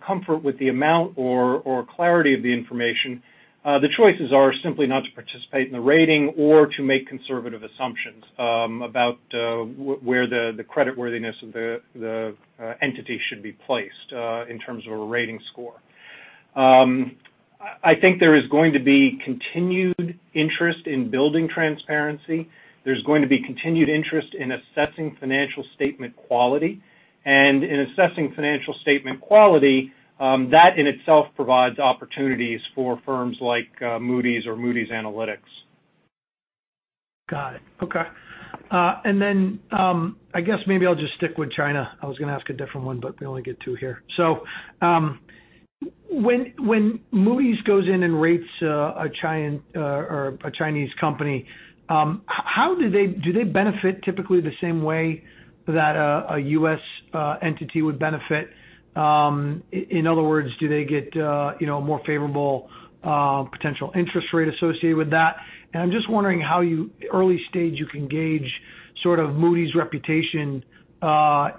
comfort with the amount or clarity of the information, the choices are simply not to participate in the rating or to make conservative assumptions about where the creditworthiness of the entity should be placed in terms of a rating score. I think there is going to be continued interest in building transparency. There's going to be continued interest in assessing financial statement quality. In assessing financial statement quality, that in itself provides opportunities for firms like Moody's or Moody's Analytics. Got it. Okay. I guess maybe I'll just stick with China. I was going to ask a different one, but we only get two here. When Moody's goes in and rates a Chinese company, do they benefit typically the same way that a U.S. entity would benefit? In other words, do they get a more favorable potential interest rate associated with that? I'm just wondering how early stage you can gauge Moody's reputation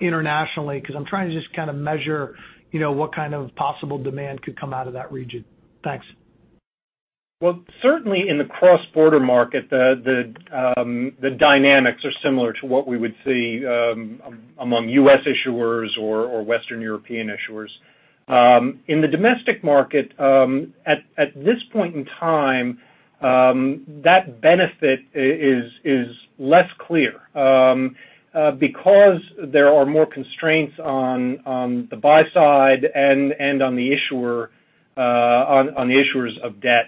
internationally, because I'm trying to just kind of measure what kind of possible demand could come out of that region. Thanks. Well, certainly in the cross-border market, the dynamics are similar to what we would see among U.S. issuers or Western European issuers. In the domestic market, at this point in time, that benefit is less clear because there are more constraints on the buy side and on the issuers of debt.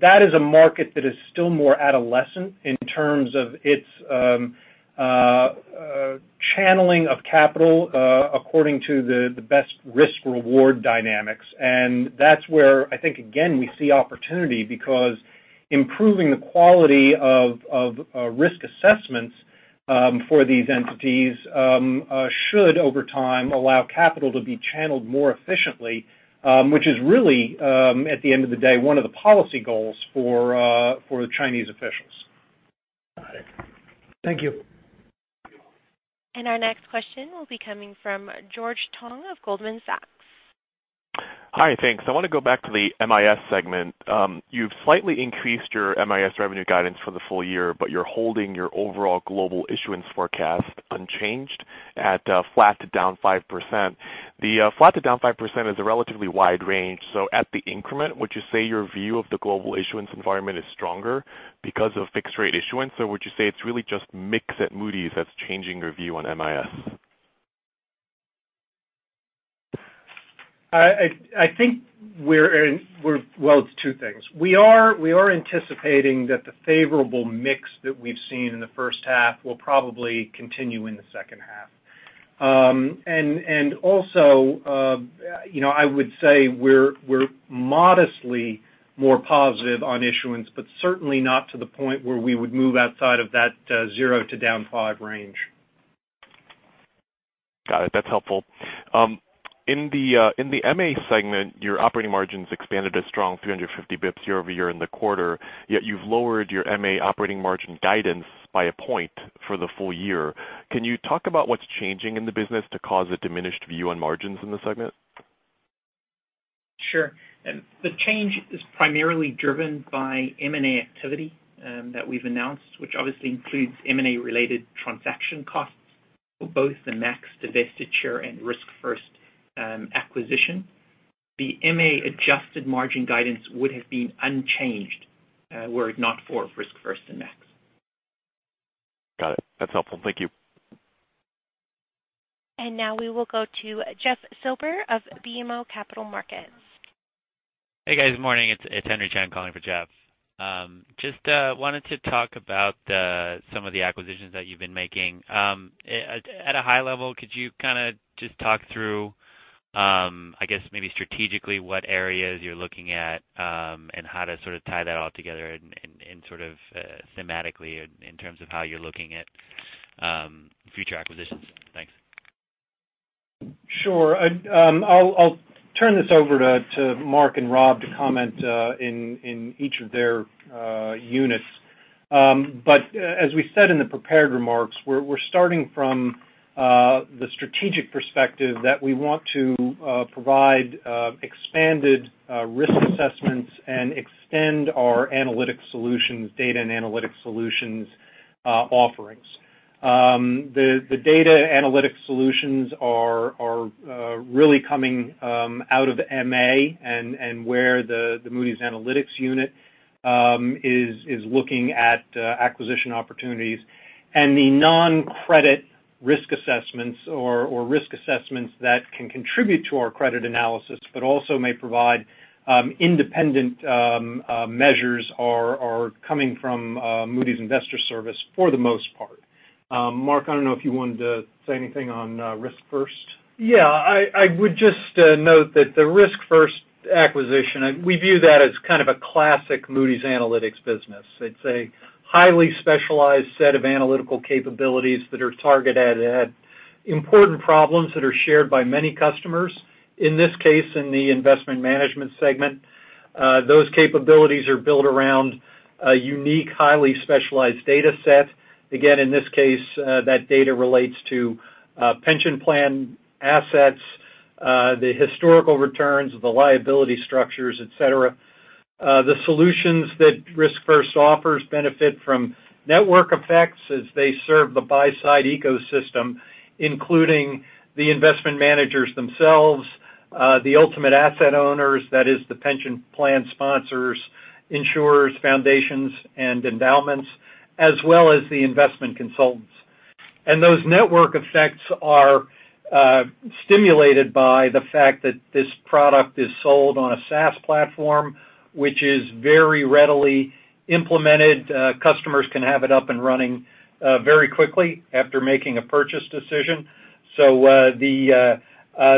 That is a market that is still more adolescent in terms of its channeling of capital according to the best risk-reward dynamics. That's where I think, again, we see opportunity because improving the quality of risk assessments for these entities should, over time, allow capital to be channeled more efficiently, which is really, at the end of the day, one of the policy goals for the Chinese officials. Thank you. Our next question will be coming from George Tong of Goldman Sachs. Hi, thanks. I want to go back to the MIS segment. You've slightly increased your MIS revenue guidance for the full year, but you're holding your overall global issuance forecast unchanged at flat to down 5%. The flat to down 5% is a relatively wide range. At the increment, would you say your view of the global issuance environment is stronger because of fixed rate issuance, or would you say it's really just mix at Moody's that's changing your view on MIS? Well, it's two things. We are anticipating that the favorable mix that we've seen in the first half will probably continue in the second half. I would say we're modestly more positive on issuance, but certainly not to the point where we would move outside of that zero to down five range. Got it. That's helpful. In the MA segment, your operating margins expanded a strong 350 basis points year-over-year in the quarter, yet you've lowered your MA operating margin guidance by a percentage point for the full year. Can you talk about what's changing in the business to cause a diminished view on margins in the segment? Sure. The change is primarily driven by M&A activity that we've announced, which obviously includes M&A-related transaction costs for both the MAKS divestiture and RiskFirst acquisition. The MA adjusted margin guidance would have been unchanged were it not for RiskFirst and MAKS. Got it. That's helpful. Thank you. Now we will go to Jeff Silber of BMO Capital Markets. Hey, guys. Morning. It's Henry Chien calling for Jeff. Just wanted to talk about some of the acquisitions that you've been making. At a high level, could you kind of just talk through maybe strategically what areas you're looking at and how to sort of tie that all together and sort of thematically in terms of how you're looking at future acquisitions? Thanks. Sure. I'll turn this over to Mark and Rob to comment in each of their units. As we said in the prepared remarks, we're starting from the strategic perspective that we want to provide expanded risk assessments and extend our analytics solutions, data and analytics solutions offerings. The data analytics solutions are really coming out of MA and where the Moody's Analytics unit is looking at acquisition opportunities, and the non-credit risk assessments or risk assessments that can contribute to our credit analysis, but also may provide independent measures are coming from Moody's Investors Service for the most part. Mark, I don't know if you wanted to say anything on RiskFirst. Yeah. I would just note that the RiskFirst acquisition, we view that as kind of a classic Moody's Analytics business. It's a highly specialized set of analytical capabilities that are targeted at important problems that are shared by many customers. In this case, in the investment management segment, those capabilities are built around a unique, highly specialized data set. Again, in this case, that data relates to pension plan assets, the historical returns, the liability structures, et cetera. The solutions that RiskFirst offers benefit from network effects as they serve the buy-side ecosystem, including the investment managers themselves, the ultimate asset owners, that is the pension plan sponsors, insurers, foundations, and endowments, as well as the investment consultants. Those network effects are stimulated by the fact that this product is sold on a SaaS platform, which is very readily implemented. Customers can have it up and running very quickly after making a purchase decision. The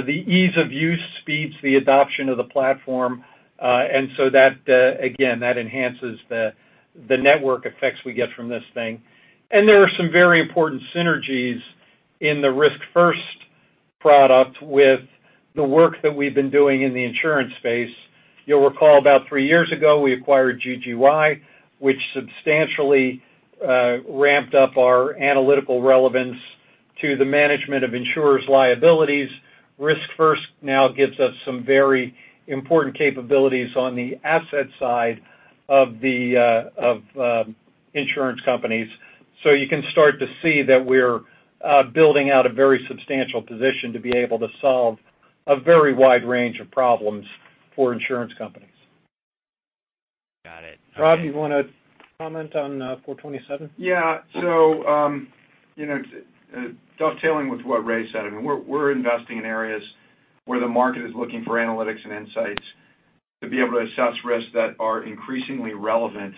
ease of use speeds the adoption of the platform. That, again, that enhances the network effects we get from this thing. There are some very important synergies in the RiskFirst product with the work that we've been doing in the insurance space. You'll recall about three years ago, we acquired GGY, which substantially ramped up our analytical relevance to the management of insurers' liabilities. RiskFirst now gives us some very important capabilities on the asset side of insurance companies. You can start to see that we're building out a very substantial position to be able to solve a very wide range of problems for insurance companies. Got it. Okay. Rob, do you want to comment on Four Twenty Seven? Dovetailing with what Ray said, we're investing in areas where the market is looking for analytics and insights to be able to assess risks that are increasingly relevant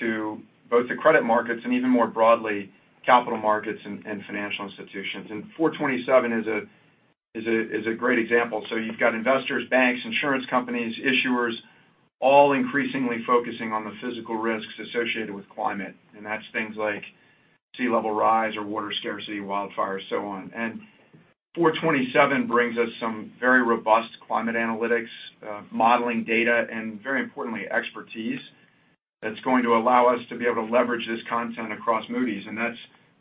to both the credit markets and even more broadly, capital markets and financial institutions. Four Twenty Seven is a great example. You've got investors, banks, insurance companies, issuers, all increasingly focusing on the physical risks associated with climate. That's things like sea level rise or water scarcity, wildfires, so on. Four Twenty Seven brings us some very robust climate analytics, modeling data, and very importantly, expertise that's going to allow us to be able to leverage this content across Moody's, and that's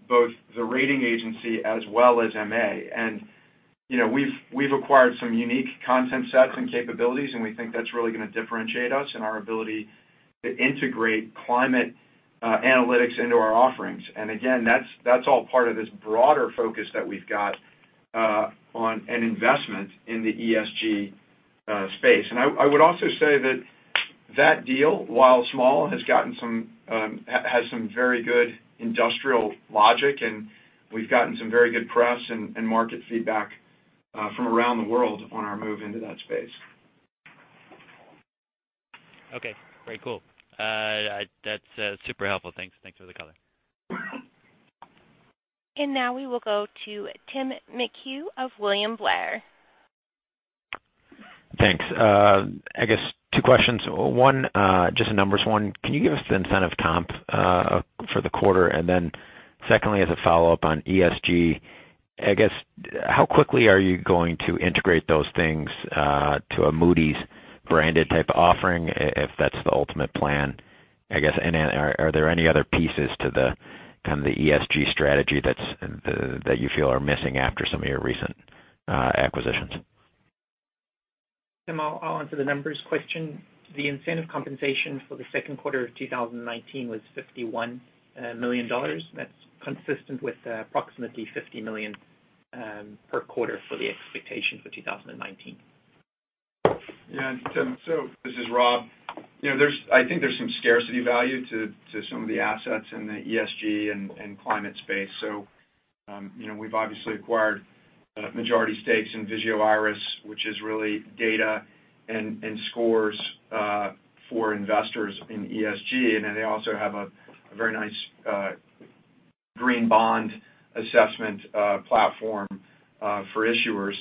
both the rating agency as well as MA. We've acquired some unique content sets and capabilities, and we think that's really going to differentiate us in our ability to integrate climate analytics into our offerings. Again, that's all part of this broader focus that we've got on an investment in the ESG space. I would also say that that deal, while small, has some very good industrial logic, and we've gotten some very good press and market feedback from around the world on our move into that space. Okay. Very cool. That's super helpful. Thanks for the color. Now we will go to Tim McHugh of William Blair. Thanks. I guess two questions. One, just a numbers one, can you give us the incentive comp for the quarter? Secondly, as a follow-up on ESG, I guess, how quickly are you going to integrate those things to a Moody's branded type offering, if that's the ultimate plan, I guess? Are there any other pieces to the kind of the ESG strategy that you feel are missing after some of your recent acquisitions? Tim, I'll answer the numbers question. The incentive compensation for the second quarter of 2019 was $51 million. That's consistent with approximately $50 million per quarter for the expectation for 2019. Yeah. Tim, this is Rob. I think there's some scarcity value to some of the assets in the ESG and climate space. We've obviously acquired majority stakes in Vigeo Eiris, which is really data and scores for investors in ESG. They also have a very nice Green Bond Assessment platform for issuers.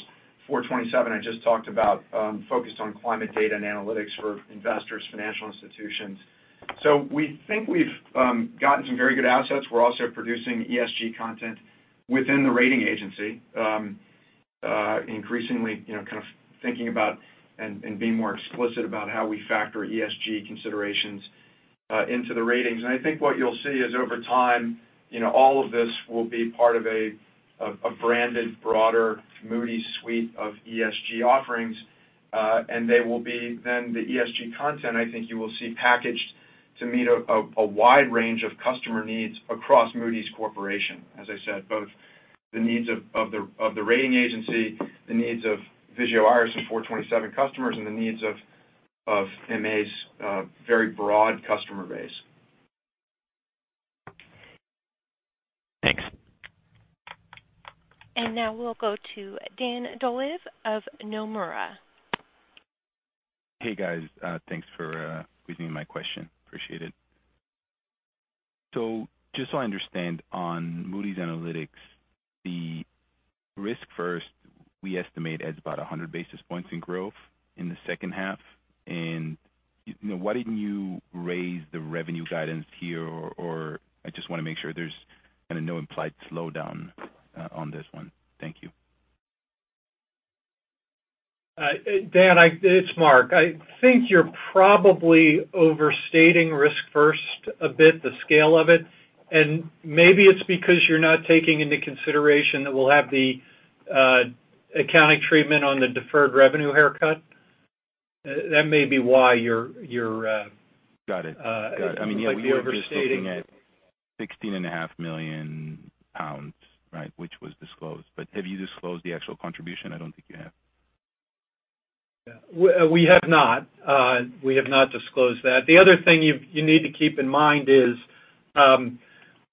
Four Twenty Seven, I just talked about, focused on climate data and analytics for investors, financial institutions. We think we've gotten some very good assets. We're also producing ESG content within the rating agency. Increasingly, kind of thinking about and being more explicit about how we factor ESG considerations into the ratings. I think what you'll see is over time, all of this will be part of a branded, broader Moody's suite of ESG offerings. They will be then the ESG content, I think you will see packaged to meet a wide range of customer needs across Moody's Corporation, as I said, both the needs of the rating agency, the needs of Vigeo Eiris and Four Twenty Seven customers, and the needs of MA's very broad customer base. Thanks. Now we'll go to Dan Dolev of Nomura. Hey, guys. Thanks for squeezing in my question. Appreciate it. Just so I understand on Moody's Analytics, the RiskFirst, we estimate as about 100 basis points in growth in the second half. Why didn't you raise the revenue guidance here, or I just want to make sure there's kind of no implied slowdown on this one. Thank you. Dan, it's Mark. I think you're probably overstating RiskFirst a bit, the scale of it. Maybe it's because you're not taking into consideration that we'll have the accounting treatment on the deferred revenue haircut. That maybe why you are overstating. Got it. We were just looking at 16.5 million pounds, right? Which was disclosed. Have you disclosed the actual contribution? I don't think you have. We have not. We have not disclosed that. The other thing you need to keep in mind is,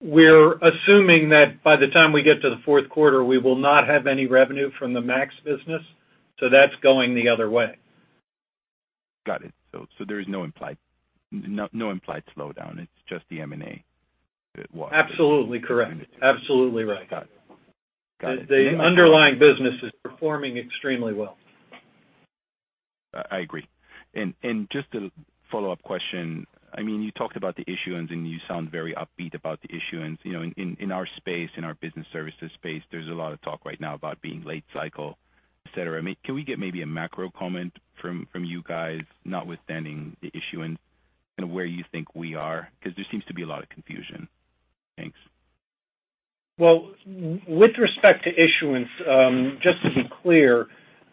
we're assuming that by the time we get to the fourth quarter, we will not have any revenue from the MAKS business. That's going the other way. Got it. There is no implied slowdown. It's just the M&A. Absolutely correct. Absolutely right. Got it. The underlying business is performing extremely well. I agree. Just a follow-up question. You talked about the issuance, you sound very upbeat about the issuance. In our space, in our business services space, there's a lot of talk right now about being late cycle, et cetera. Can we get maybe a macro comment from you guys, notwithstanding the issuance and where you think we are? There seems to be a lot of confusion. Thanks. With respect to issuance, just to be clear,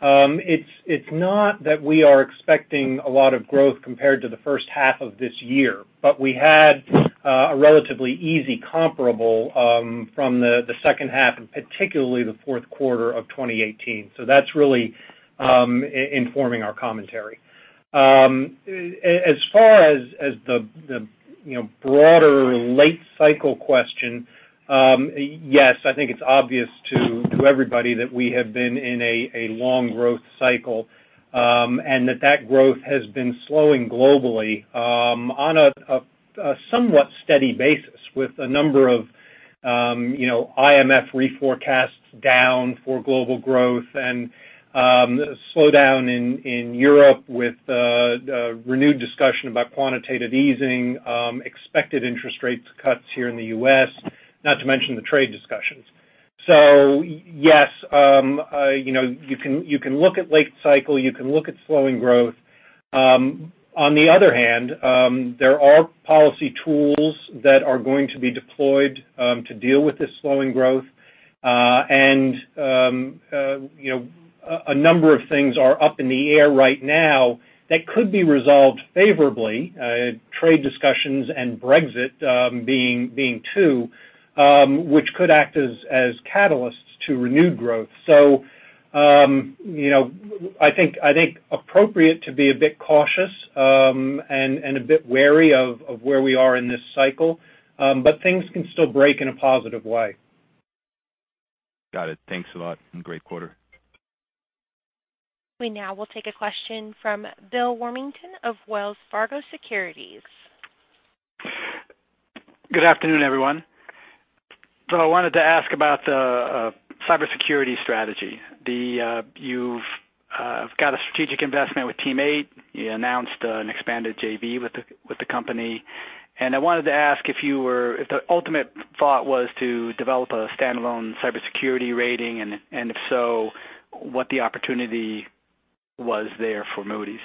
it's not that we are expecting a lot of growth compared to the first half of this year, but we had a relatively easy comparable from the second half, and particularly the fourth quarter of 2018. That's really informing our commentary. As far as the broader late cycle question, yes, I think it's obvious to everybody that we have been in a long growth cycle, and that that growth has been slowing globally on a somewhat steady basis with a number of IMF reforecasts down for global growth and slowdown in Europe with renewed discussion about quantitative easing, expected interest rates cuts here in the U.S., not to mention the trade discussions. Yes, you can look at late cycle, you can look at slowing growth. On the other hand, there are policy tools that are going to be deployed to deal with this slowing growth. A number of things are up in the air right now that could be resolved favorably, trade discussions and Brexit being two which could act as catalysts to renewed growth. I think appropriate to be a bit cautious and a bit wary of where we are in this cycle, but things can still break in a positive way. Got it. Thanks a lot, and great quarter. We now will take a question from Bill Warmington of Wells Fargo Securities. Good afternoon, everyone. I wanted to ask about the cybersecurity strategy. You've got a strategic investment with Team8. You announced an expanded JV with the company, and I wanted to ask if the ultimate thought was to develop a standalone cybersecurity rating, and if so, what the opportunity was there for Moody's.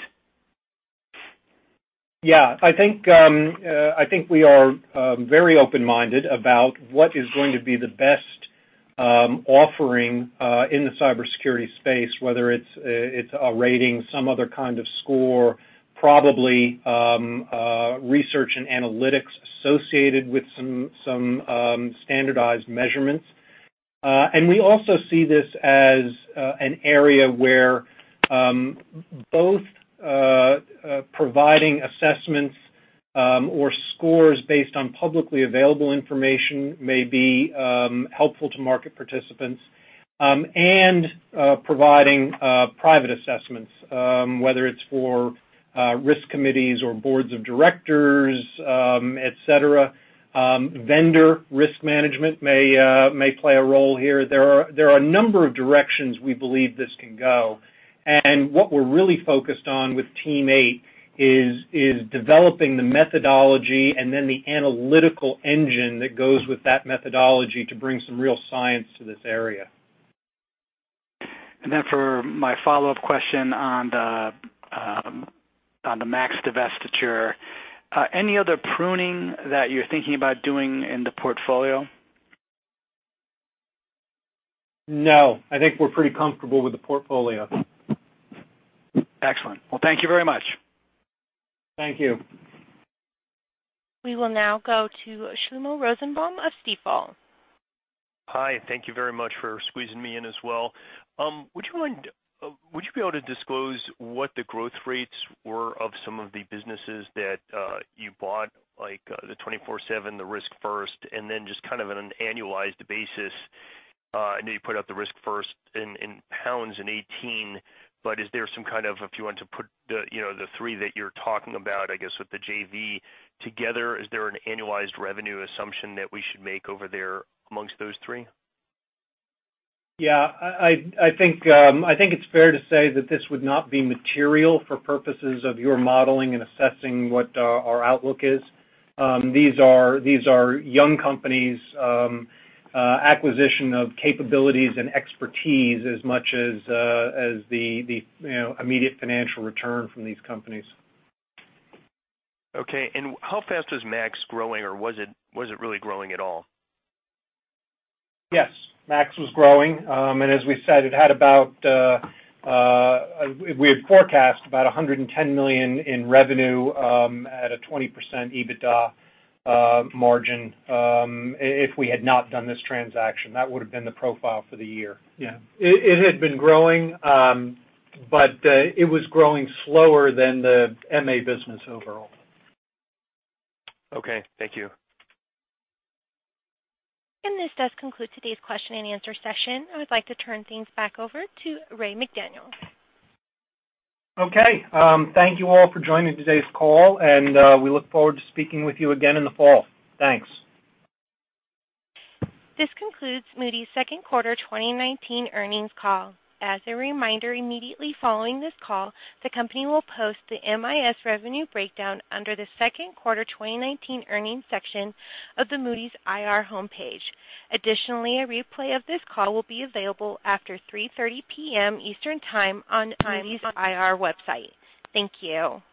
Yeah. I think we are very open-minded about what is going to be the best offering in the cybersecurity space, whether it's a rating, some other kind of score, probably research and analytics associated with some standardized measurements. We also see this as an area where both providing assessments or scores based on publicly available information may be helpful to market participants, and providing private assessments, whether it's for risk committees or boards of directors, et cetera. Vendor risk management may play a role here. There are a number of directions we believe this can go, and what we're really focused on with Team8 is developing the methodology and then the analytical engine that goes with that methodology to bring some real science to this area. For my follow-up question on the MAKS divestiture, any other pruning that you're thinking about doing in the portfolio? No, I think we're pretty comfortable with the portfolio. Excellent. Well, thank you very much. Thank you. We will now go to Shlomo Rosenbaum of Stifel. Hi, thank you very much for squeezing me in as well. Would you be able to disclose what the growth rates were of some of the businesses that you bought, like the Four Twenty Seven, the RiskFirst, and then just kind of on an annualized basis? I know you put out the RiskFirst in pounds in 2018, is there some kind of, if you want to put the three that you're talking about, I guess, with the JV together, is there an annualized revenue assumption that we should make over there amongst those three? Yeah, I think it's fair to say that this would not be material for purposes of your modeling and assessing what our outlook is. These are young companies, acquisition of capabilities and expertise as much as the immediate financial return from these companies. Okay, how fast was MAKS growing, or was it really growing at all? Yes, MAKS was growing. As we said, we had forecast about $110 million in revenue at a 20% EBITDA margin. If we had not done this transaction, that would have been the profile for the year. Yeah. It had been growing, but it was growing slower than the MA business overall. Okay, thank you. This does conclude today's question and answer session. I would like to turn things back over to Ray McDaniel. Okay. Thank you all for joining today's call, and we look forward to speaking with you again in the fall. Thanks. This concludes Moody's second quarter 2019 earnings call. As a reminder, immediately following this call, the company will post the MIS revenue breakdown under the second quarter 2019 earnings section of the Moody's IR homepage. Additionally, a replay of this call will be available after 3:30 P.M. Eastern time on Moody's IR website. Thank you.